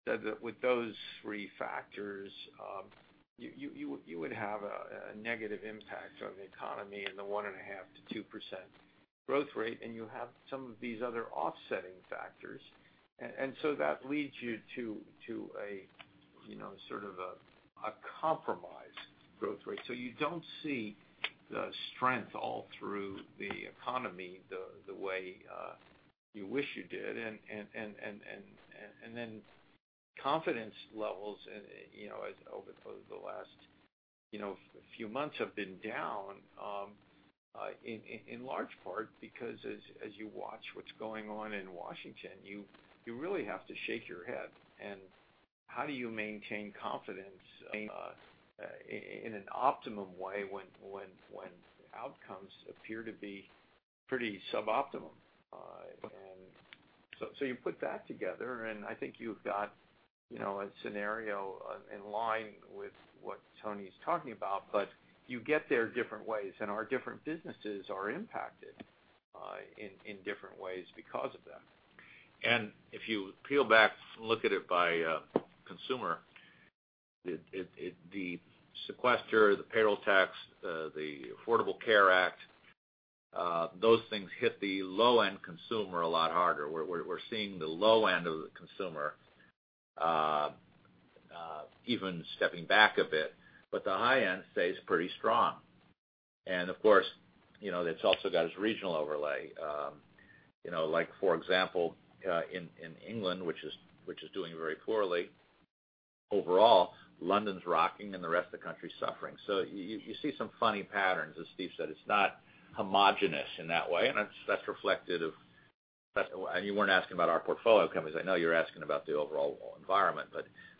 said that with those three factors, you would have a negative impact on the economy in the 1.5%-2% growth rate, and you have some of these other offsetting factors. That leads you to a compromise growth rate. You don't see the strength all through the economy the way you wish you did. Confidence levels, over the last few months, have been down, in large part because as you watch what's going on in Washington, you really have to shake your head. How do you maintain confidence in an optimum way when outcomes appear to be pretty suboptimal? You put that together, and I think you've got a scenario in line with what Tony's talking about, but you get there different ways, and our different businesses are impacted in different ways because of that. If you peel back and look at it by consumer, the sequester, the payroll tax, the Affordable Care Act, those things hit the low-end consumer a lot harder. We're seeing the low end of the consumer even stepping back a bit. The high end stays pretty strong. Of course, it's also got its regional overlay. For example, in England, which is doing very poorly overall, London's rocking and the rest of the country's suffering. You see some funny patterns. As Steve said, it's not homogenous in that way, and that's reflective of You weren't asking about our portfolio companies. I know you're asking about the overall environment.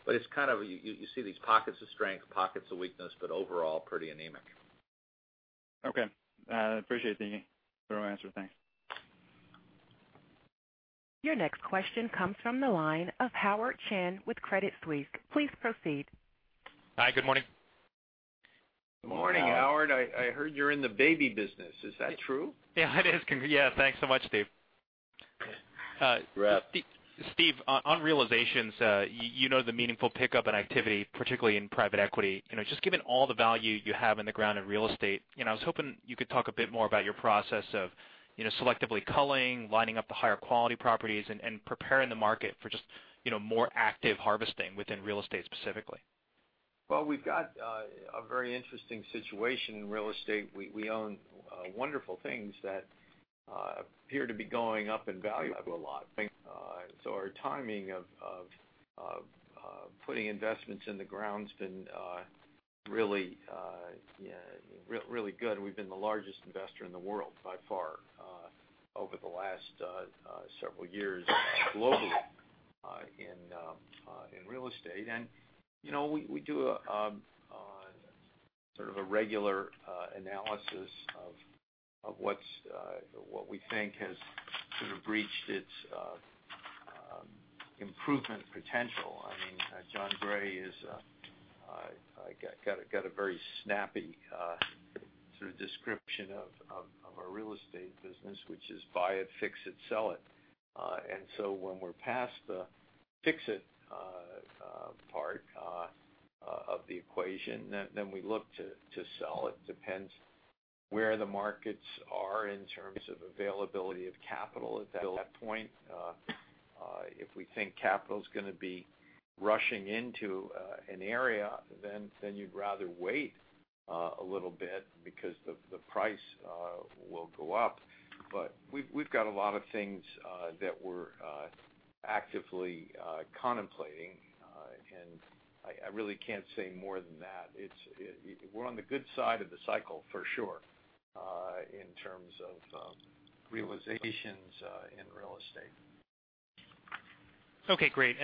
You see these pockets of strength, pockets of weakness, but overall, pretty anemic. Okay. I appreciate the thorough answer. Thanks. Your next question comes from the line of Howard Chen with Credit Suisse. Please proceed. Hi. Good morning. Morning, Howard. I heard you're in the baby business. Is that true? Yeah, it is. Yeah, thanks so much, Steve. Rap. Steve, on realizations, you know the meaningful pickup in activity, particularly in private equity. Just given all the value you have in the ground in real estate, I was hoping you could talk a bit more about your process of selectively culling, lining up the higher quality properties, and preparing the market for just more active harvesting within real estate specifically. Well, we've got a very interesting situation in real estate. We own wonderful things that appear to be going up in value a lot. Our timing of putting investments in the ground's been really good. We've been the largest investor in the world by far over the last several years globally in real estate. We do a sort of a regular analysis of what we think has sort of reached its improvement potential. Jon Gray has got a very snappy sort of description of our real estate business, which is buy it, fix it, sell it. When we're past the fix it part of the equation, then we look to sell. It depends where the markets are in terms of availability of capital at that point. If we think capital's going to be rushing into an area, then you'd rather wait a little bit because the price will go up. We've got a lot of things that we're actively contemplating. I really can't say more than that. We're on the good side of the cycle for sure, in terms of realizations in real estate. Okay, great.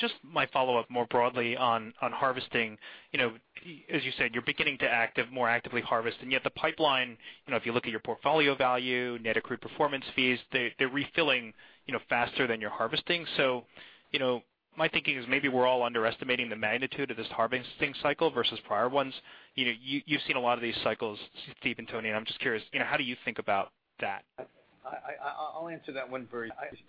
Just my follow-up more broadly on harvesting. As you said, you're beginning to more actively harvest, and yet the pipeline, if you look at your portfolio value, net accrued performance fees, they're refilling faster than you're harvesting. My thinking is maybe we're all underestimating the magnitude of this harvesting cycle versus prior ones. You've seen a lot of these cycles, Steve and Tony, and I'm just curious, how do you think about that? I'll answer that one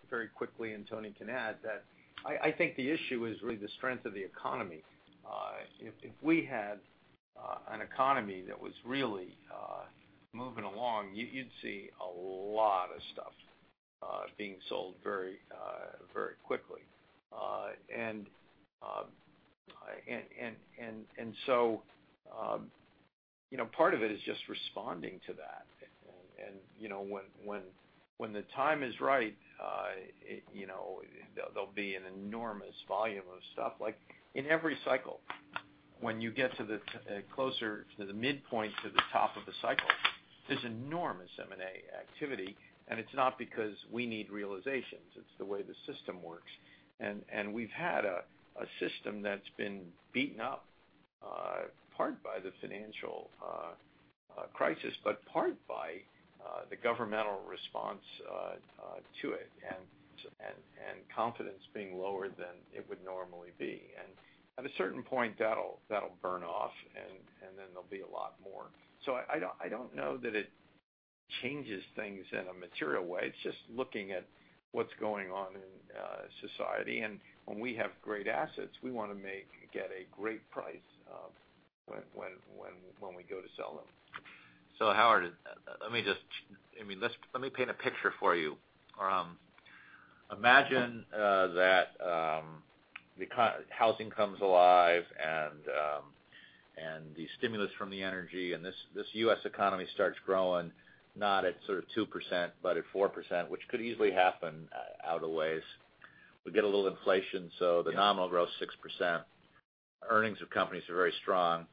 very quickly, Tony can add that. I think the issue is really the strength of the economy. If we had an economy that was really moving along, you'd see a lot of stuff being sold very quickly. Part of it is just responding to that. When the time is right, there'll be an enormous volume of stuff. Like in every cycle, when you get closer to the midpoint, to the top of the cycle, there's enormous M&A activity, it's not because we need realizations. It's the way the system works. We've had a system that's been beaten up, part by the financial crisis, but part by the governmental response to it, and confidence being lower than it would normally be. At a certain point, that'll burn off, then there'll be a lot more. I don't know that it changes things in a material way. It's just looking at what's going on in society. When we have great assets, we want to get a great price when we go to sell them. Howard, let me paint a picture for you. Imagine that housing comes alive and the stimulus from the energy and this U.S. economy starts growing, not at sort of 2%, but at 4%, which could easily happen out of ways. We get a little inflation, the nominal growth 6%. Earnings of companies are very strong.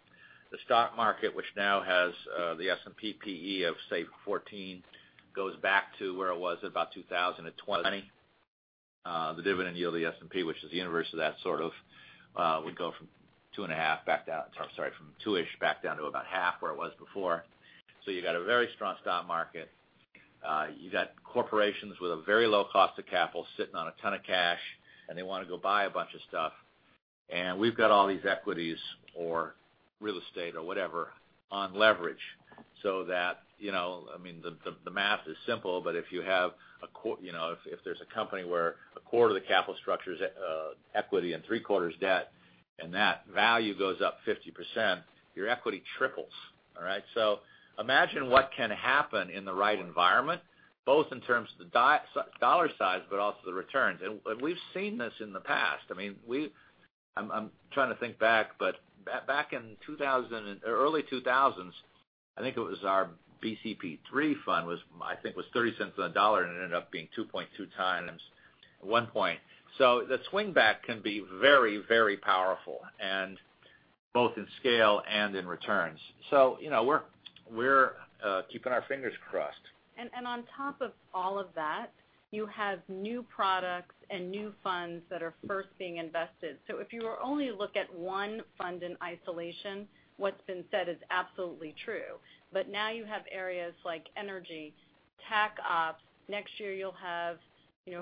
The stock market, which now has the S&P PE of, say, 14, goes back to where it was at about 2020. The dividend yield of the S&P, which is the universe of that sort of, would go from two and a half back down, I'm sorry, from two-ish back down to about half where it was before. You've got a very strong stock market. You got corporations with a very low cost of capital sitting on a ton of cash, they want to go buy a bunch of stuff. We've got all these equities or real estate or whatever on leverage so that the math is simple, but if there's a company where a quarter of the capital structure is equity and three-quarters debt, and that value goes up 50%, your equity triples. All right? Imagine what can happen in the right environment, both in terms of the dollar size, but also the returns. We've seen this in the past. I'm trying to think back, but back in early 2000s, I think it was our BCP III fund, I think was $0.30 on the dollar, and it ended up being 2.2 times at one point. The swing back can be very powerful. Both in scale and in returns. We're keeping our fingers crossed. On top of all of that, you have new products and new funds that are first being invested. If you were only look at one fund in isolation, what's been said is absolutely true. Now you have areas like energy, Tac Ops. Next year you'll have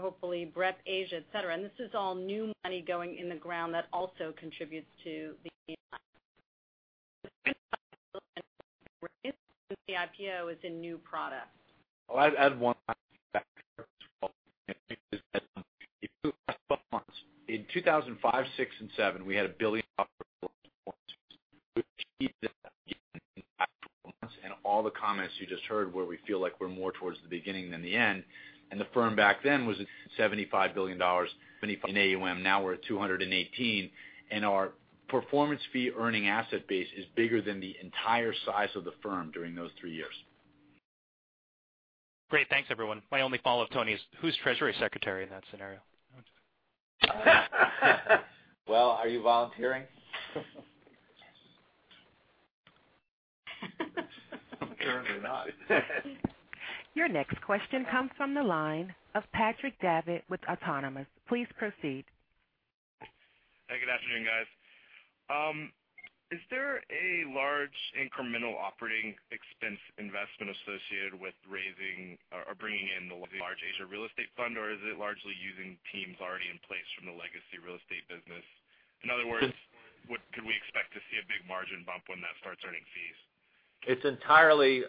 hopefully BREP Asia, et cetera, and this is all new money going in the ground that also contributes to the IPO and new product. Well, I'd add one in 2005, 2006, and 2007, we had $1 billion and all the comments you just heard, where we feel like we're more towards the beginning than the end. The firm back then was at $75 billion in AUM. Now we're at $218 billion, and our performance fee-earning asset base is bigger than the entire size of the firm during those three years. Great. Thanks, everyone. My only follow-up, Tony, is who's Treasury Secretary in that scenario? Well, are you volunteering? Currently not. Your next question comes from the line of Patrick Davitt with Autonomous. Please proceed. Hey, good afternoon, guys. Is there a large incremental operating expense investment associated with raising or bringing in the large Asia real estate fund? Or is it largely using teams already in place from the legacy real estate business? In other words, could we expect to see a big margin bump when that starts earning fees? It's entirely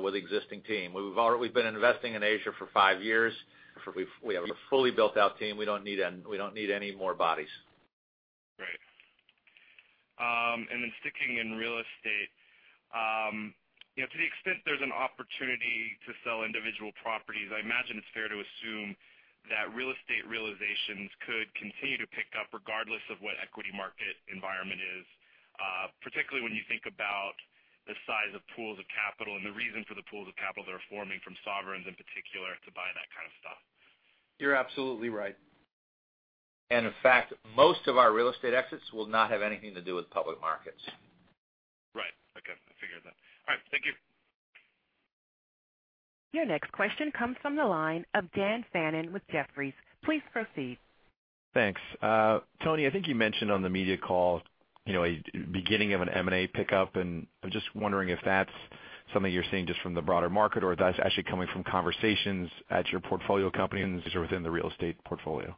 with existing team. We've been investing in Asia for five years. We have a fully built-out team. We don't need any more bodies. Right. Then sticking in real estate, to the extent there's an opportunity to sell individual properties, I imagine it's fair to assume that real estate realizations could continue to pick up regardless of what equity market environment is. Particularly when you think about the size of pools of capital and the reason for the pools of capital that are forming from sovereigns, in particular, to buy that kind of stuff. You're absolutely right. In fact, most of our real estate exits will not have anything to do with public markets. Right. Okay. I figured that. All right, thank you. Your next question comes from the line of Daniel Fannon with Jefferies. Please proceed. Thanks. Tony, I think you mentioned on the media call, beginning of an M&A pickup. I'm just wondering if that's something you're seeing just from the broader market, or that's actually coming from conversations at your portfolio companies or within the real estate portfolio.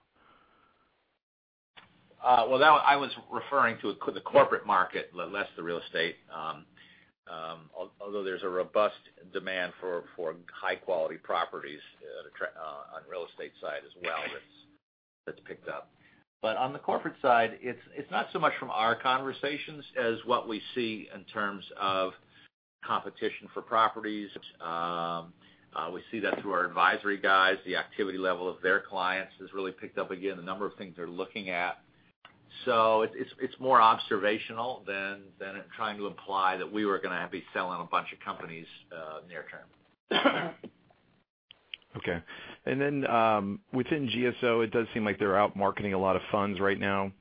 Well, I was referring to the corporate market, less the real estate. Although there's a robust demand for high-quality properties on real estate side as well that's picked up. On the corporate side, it's not so much from our conversations as what we see in terms of competition for properties. We see that through our advisory guys. The activity level of their clients has really picked up again, the number of things they're looking at. It's more observational than trying to imply that we were going to be selling a bunch of companies near-term. Okay. Within GSO, it does seem like they're out marketing a lot of funds right now.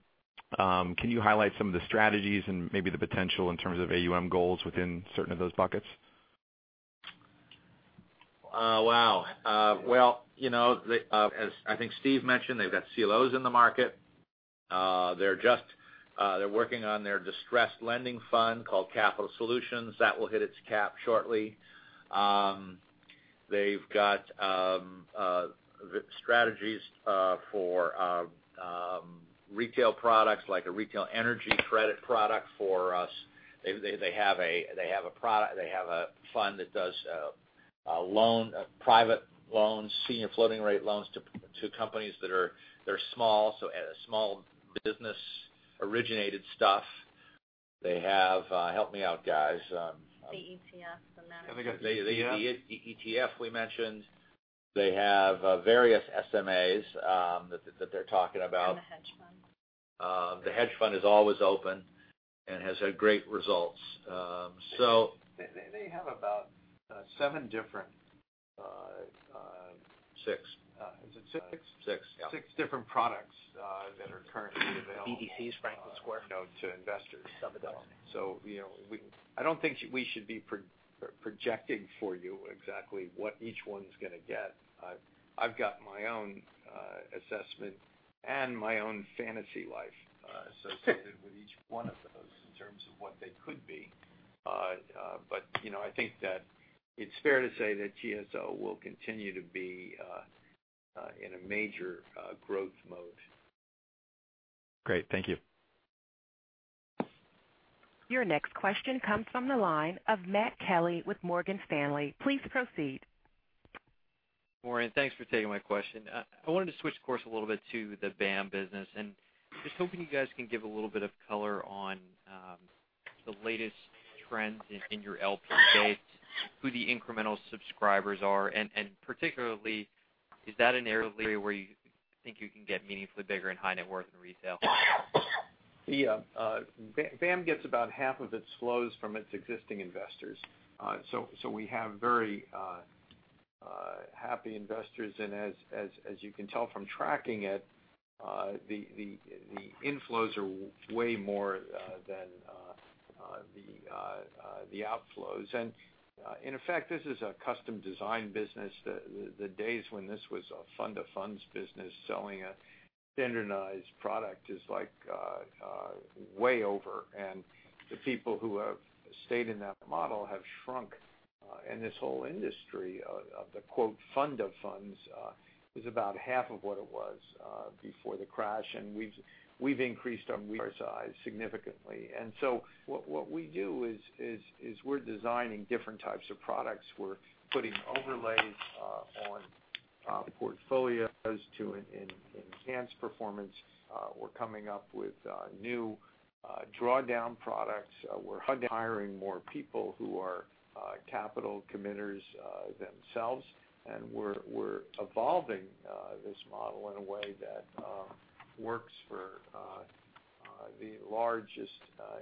Can you highlight some of the strategies and maybe the potential in terms of AUM goals within certain of those buckets? Wow. Well as I think Steve mentioned, they've got CLOs in the market. They're working on their distressed lending fund called Capital Solutions. That will hit its cap shortly. They've got strategies for retail products like a retail energy credit product for us. They have a fund that does private loans, senior floating rate loans to companies that are small, so small business originated stuff. They have Help me out, guys. The ETF. The ETF we mentioned. They have various SMAs that they're talking about. The hedge fund. The hedge fund is always open and has had great results. They have about seven different. Six. Is it six? Six, yeah. Six different products that are currently available. FS Investment Corporation. to investors. Twin Eagle. I don't think we should be projecting for you exactly what each one's going to get. I've got my own assessment and my own fantasy life associated with each one of those in terms of what they could be. I think that it's fair to say that GSO will continue to be in a major growth mode. Great. Thank you. Your next question comes from the line of Matthew Kelly with Morgan Stanley. Please proceed. Good morning. Thanks for taking my question. I wanted to switch course a little bit to the BAM business, and just hoping you guys can give a little bit of color on the latest trends in your LP base, who the incremental subscribers are, and particularly, is that an area where you think you can get meaningfully bigger in high net worth and retail? Yeah. BAM gets about half of its flows from its existing investors. We have very happy investors. As you can tell from tracking it, the inflows are way more than the outflows. In effect, this is a custom design business. The days when this was a fund of funds business, selling a standardized product is way over. The people who have stayed in that model have shrunk. This whole industry of the "fund of funds" is about half of what it was before the crash. We've increased our size significantly. What we do is we're designing different types of products. We're putting overlays on portfolios to enhance performance. We're coming up with new drawdown products. We're hiring more people who are capital committers themselves. We're evolving this model in a way that works for the largest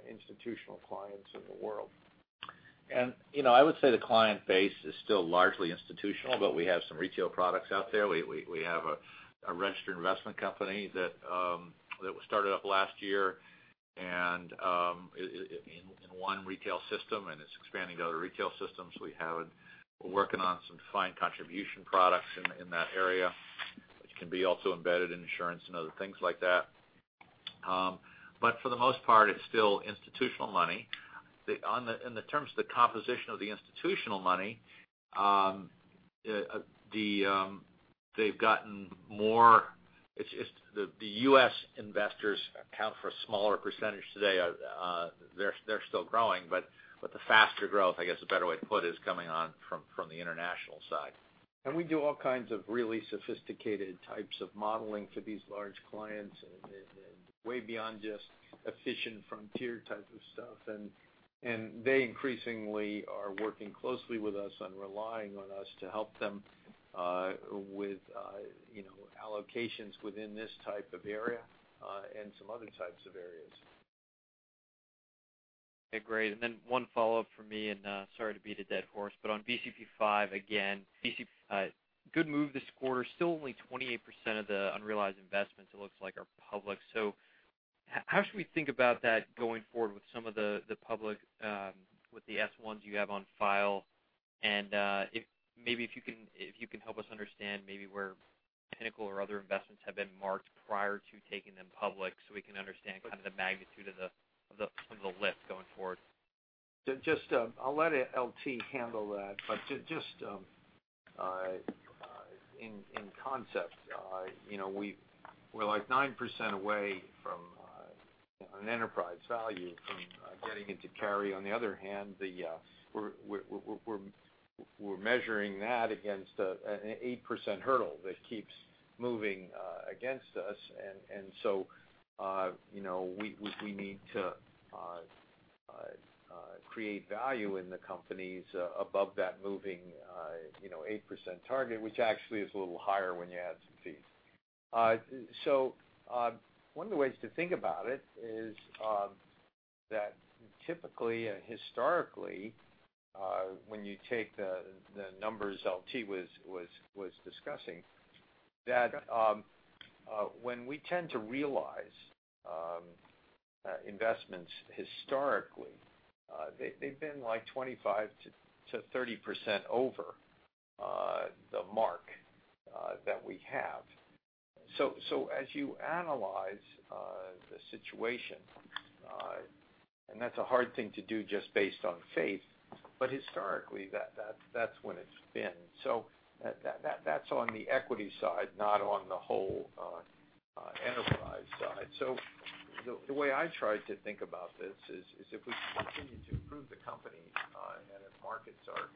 institutional clients in the world. I would say the client base is still largely institutional, we have some retail products out there. We have a registered investment company that was started up last year, and in one retail system, it's expanding to other retail systems. We're working on some defined contribution products in that area, which can be also embedded in insurance and other things like that. For the most part, it's still institutional money. In terms of the composition of the institutional money, they've gotten more. The U.S. investors account for a smaller % today. They're still growing, the faster growth, I guess, a better way to put it, is coming on from the international side. We do all kinds of really sophisticated types of modeling for these large clients, and way beyond just efficient frontier type of stuff. They increasingly are working closely with us and relying on us to help them with allocations within this type of area and some other types of areas. Okay, great. One follow-up from me, and sorry to beat a dead horse, on BCP V again. BCP, good move this quarter. Still only 28% of the unrealized investments it looks like are public. How should we think about that going forward with some of the public, with the S-1s you have on file? Maybe if you can help us understand maybe where Pinnacle or other investments have been marked prior to taking them public so we can understand kind of the magnitude of the lift going forward. I'll let LT handle that. Just in concept, we're 9% away from an enterprise value from getting into carry. On the other hand, we're measuring that against an 8% hurdle that keeps moving against us. We need to create value in the companies above that moving 8% target, which actually is a little higher when you add some fees. One of the ways to think about it is that typically and historically, when you take the numbers LT was discussing, that when we tend to realize investments historically, they've been 25%-30% over the mark that we have. As you analyze the situation, and that's a hard thing to do just based on faith, historically, that's when it's been. That's on the equity side, not on the whole enterprise side. The way I try to think about this is if we continue to improve the company, if markets are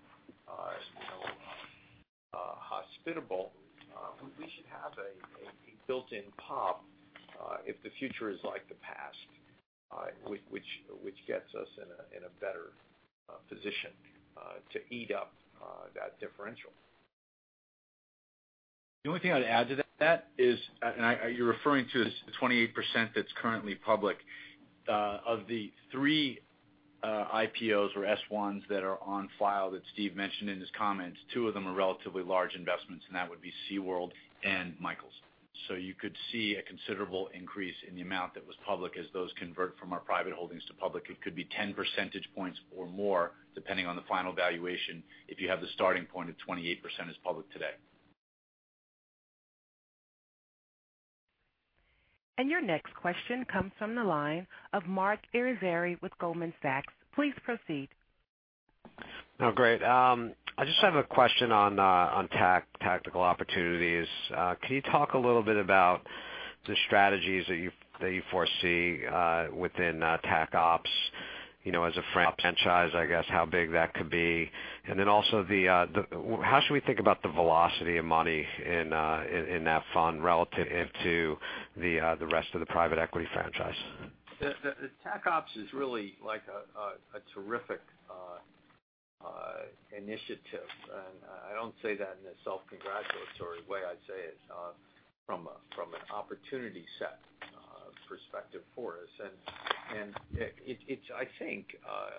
hospitable we should have a built-in pop if the future is like the past which gets us in a better position to eat up that differential. The only thing I'd add to that is, you're referring to the 28% that's currently public. Of the three IPOs or S-1s that are on file that Steve mentioned in his comments, two of them are relatively large investments, and that would be SeaWorld and Michaels. You could see a considerable increase in the amount that was public as those convert from our private holdings to public. It could be 10 percentage points or more, depending on the final valuation, if you have the starting point of 28% as public today. Your next question comes from the line of Marc Irizarry with Goldman Sachs. Please proceed. Oh, great. I just have a question on Tactical Opportunities. Can you talk a little bit about the strategies that you foresee within Tac Ops as a franchise, I guess, how big that could be? Then also, how should we think about the velocity of money in that fund relative to the rest of the private equity franchise? Tac Ops is really a terrific initiative. I don't say that in a self-congratulatory way. I say it from an opportunity set perspective for us. It's, I think,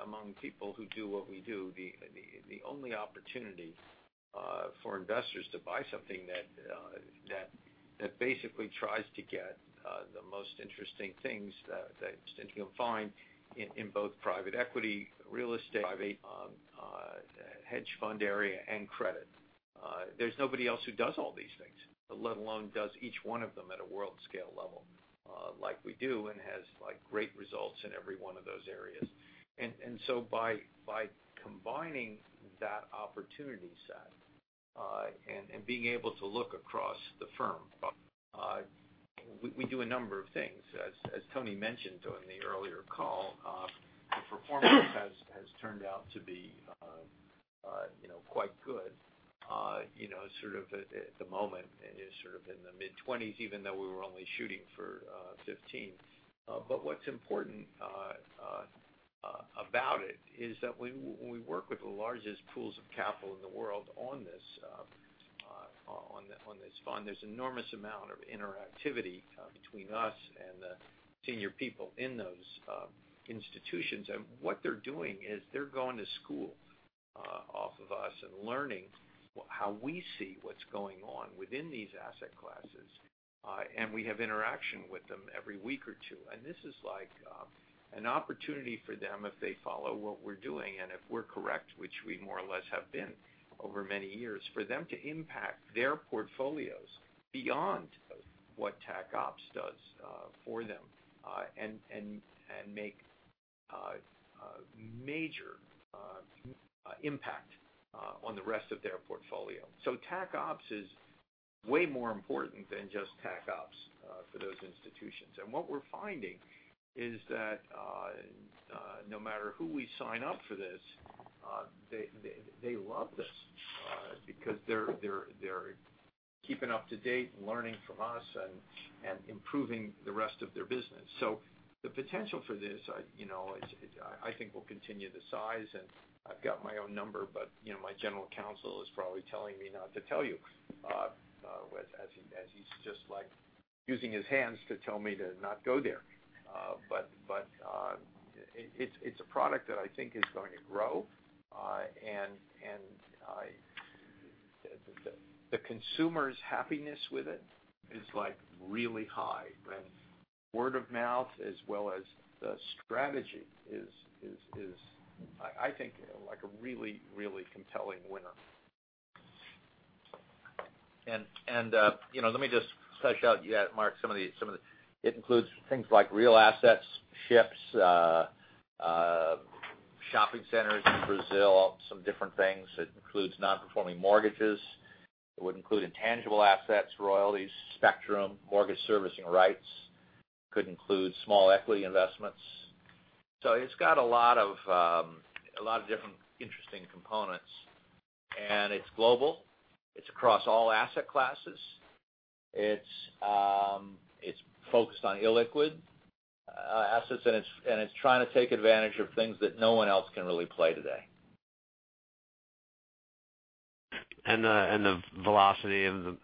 among people who do what we do, the only opportunity for investors to buy something that basically tries to get the most interesting things that you'll find in both private equity, real estate, hedge fund area, and credit. There's nobody else who does all these things, let alone does each one of them at a world-scale level like we do and has great results in every one of those areas. By combining that opportunity set and being able to look across the firm, we do a number of things. As Tony mentioned on the earlier call, the performance has turned out to be quite good at the moment, and is in the mid-20s, even though we were only shooting for 15. What's important about it is that we work with the largest pools of capital in the world on this fund. There's an enormous amount of interactivity between us and the senior people in those institutions. What they're doing is they're going to school off of us and learning how we see what's going on within these asset classes. We have interaction with them every week or two. This is like an opportunity for them if they follow what we're doing and if we're correct, which we more or less have been over many years, for them to impact their portfolios beyond what Tac Opps does for them, and make a major impact on the rest of their portfolio. Tac Opps is way more important than just Tac Opps for those institutions. What we're finding is that no matter who we sign up for this, they love this because they're keeping up to date and learning from us and improving the rest of their business. The potential for this, I think will continue to size and I've got my own number, but my general counsel is probably telling me not to tell you, as he's just like using his hands to tell me to not go there. It's a product that I think is going to grow. The consumer's happiness with it is really high. Word of mouth as well as the strategy is, I think, a really compelling winner. Let me just sketch out, Marc, it includes things like real assets, ships, shopping centers in Brazil, some different things. It includes non-performing mortgages. It would include intangible assets, royalties, spectrum, mortgage servicing rights. Could include small equity investments. It's got a lot of different interesting components. It's global. It's across all asset classes. It's focused on illiquid assets, it's trying to take advantage of things that no one else can really play today. The velocity of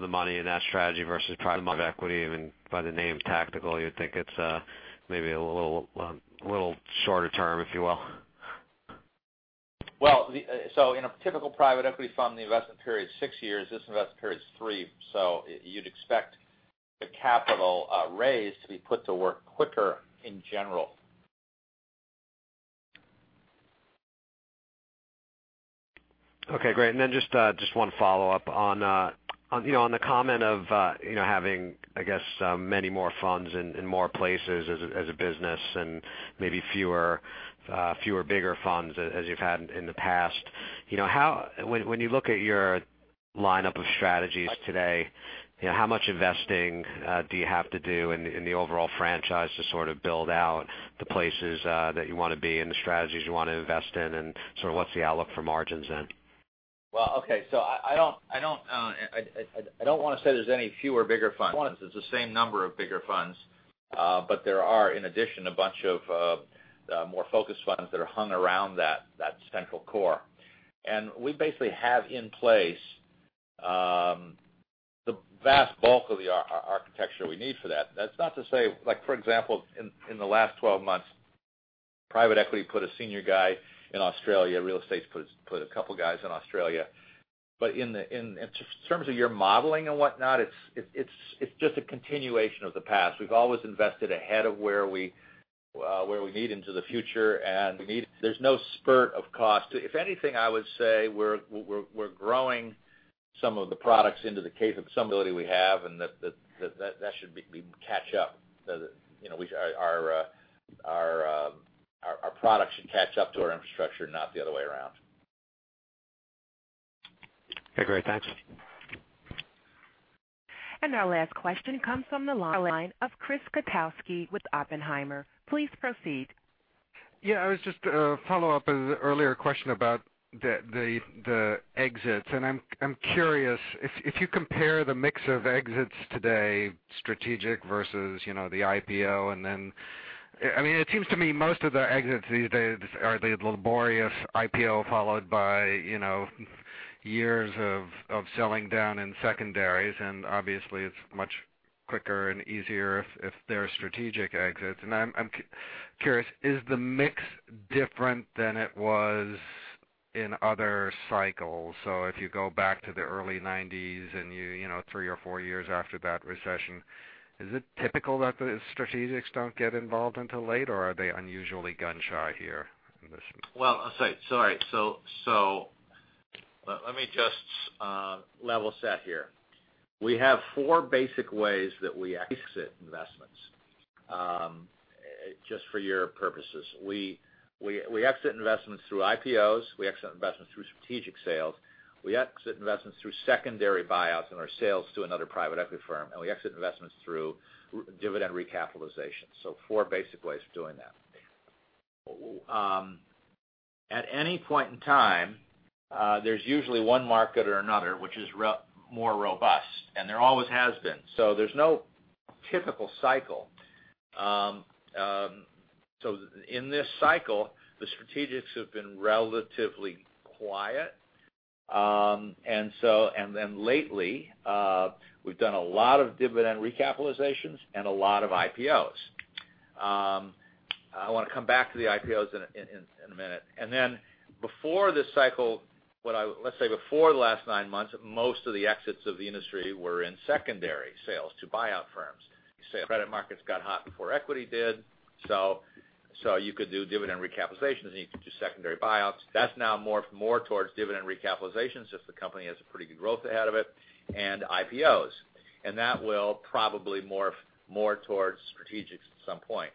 the money in that strategy versus private equity, even by the name tactical, you would think it's maybe a little shorter term, if you will. In a typical private equity fund, the investment period is six years. This investment period is three. You'd expect the capital raised to be put to work quicker in general. Okay, great. Just one follow-up on the comment of having, I guess, many more funds in more places as a business and maybe fewer bigger funds as you've had in the past. When you look at your lineup of strategies today, how much investing do you have to do in the overall franchise to sort of build out the places that you want to be and the strategies you want to invest in? What's the outlook for margins then? Okay. I don't want to say there's any fewer bigger funds. It's the same number of bigger funds. There are, in addition, a bunch of more focused funds that are hung around that central core. We basically have in place the vast bulk of the architecture we need for that. That's not to say like, for example, in the last 12 months, private equity put a senior guy in Australia, real estate's put a couple guys in Australia. In terms of your modeling and whatnot, it's just a continuation of the past. We've always invested ahead of where we need into the future, and there's no spurt of cost. If anything, I would say we're growing some of the products into the capability we have, and that should catch up. Our products should catch up to our infrastructure, not the other way around. Okay, great. Thanks. Our last question comes from the line of Chris Kotowski with Oppenheimer. Please proceed. Yeah, I was just follow up on the earlier question about the exits. I'm curious if you compare the mix of exits today, strategic versus the IPO, and then It seems to me most of the exits these days are the laborious IPO followed by years of selling down in secondaries, obviously, it's much quicker and easier if they're strategic exits. I'm curious, is the mix different than it was in other cycles? If you go back to the early '90s and three or four years after that recession, is it typical that the strategics don't get involved until late, or are they unusually gun-shy here in this? Well, sorry. Let me just level set here. We have four basic ways that we exit investments, just for your purposes. We exit investments through IPOs, we exit investments through strategic sales, we exit investments through secondary buyouts and our sales to another private equity firm, and we exit investments through dividend recapitalizations. Four basic ways of doing that. At any point in time, there's usually one market or another which is more robust, and there always has been. There's no typical cycle. In this cycle, the strategics have been relatively quiet. Lately, we've done a lot of dividend recapitalizations and a lot of IPOs. I want to come back to the IPOs in a minute. Before this cycle, let's say before the last nine months, most of the exits of the industry were in secondary sales to buyout firms. Say credit markets got hot before equity did, you could do dividend recapitalizations and you could do secondary buyouts. That's now more towards dividend recapitalizations, if the company has a pretty good growth ahead of it, and IPOs. That will probably morph more towards strategics at some point.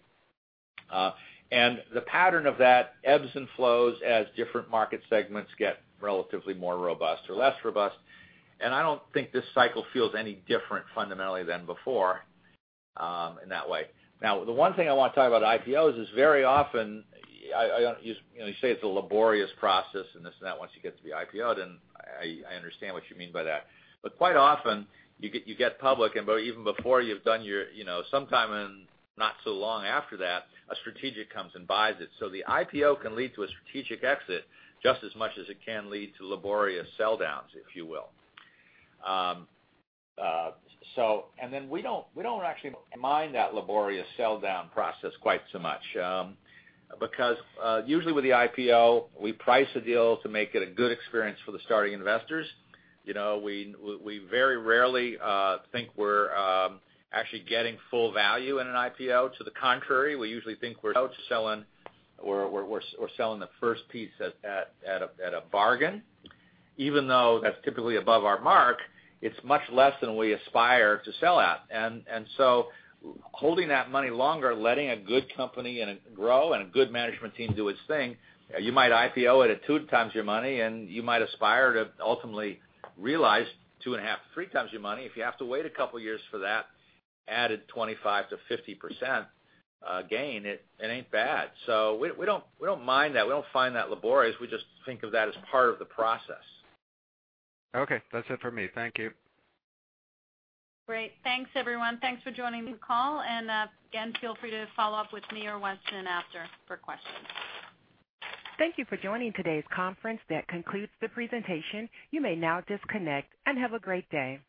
The pattern of that ebbs and flows as different market segments get relatively more robust or less robust. I don't think this cycle feels any different fundamentally than before in that way. Now, the one thing I want to talk about IPOs is very often, you say it's a laborious process and this and that once you get to be IPO'd, and I understand what you mean by that. Quite often, you get public and even before you've done your S-1 and not so long after that, a strategic comes and buys it. The IPO can lead to a strategic exit just as much as it can lead to laborious sell downs, if you will. We don't actually mind that laborious sell-down process quite so much, because usually with the IPO, we price a deal to make it a good experience for the starting investors. We very rarely think we're actually getting full value in an IPO. To the contrary, we usually think we're out selling or selling the first piece at a bargain. Even though that's typically above our mark, it's much less than we aspire to sell at. Holding that money longer, letting a good company grow and a good management team do its thing, you might IPO it at two times your money, and you might aspire to ultimately realize two and a half to three times your money. If you have to wait a couple of years for that added 25% to 50% gain, it ain't bad. We don't mind that. We don't find that laborious. We just think of that as part of the process. Okay. That's it for me. Thank you. Great. Thanks, everyone. Thanks for joining the call, and again, feel free to follow up with me or Weston after for questions. Thank you for joining today's conference. That concludes the presentation. You may now disconnect and have a great day.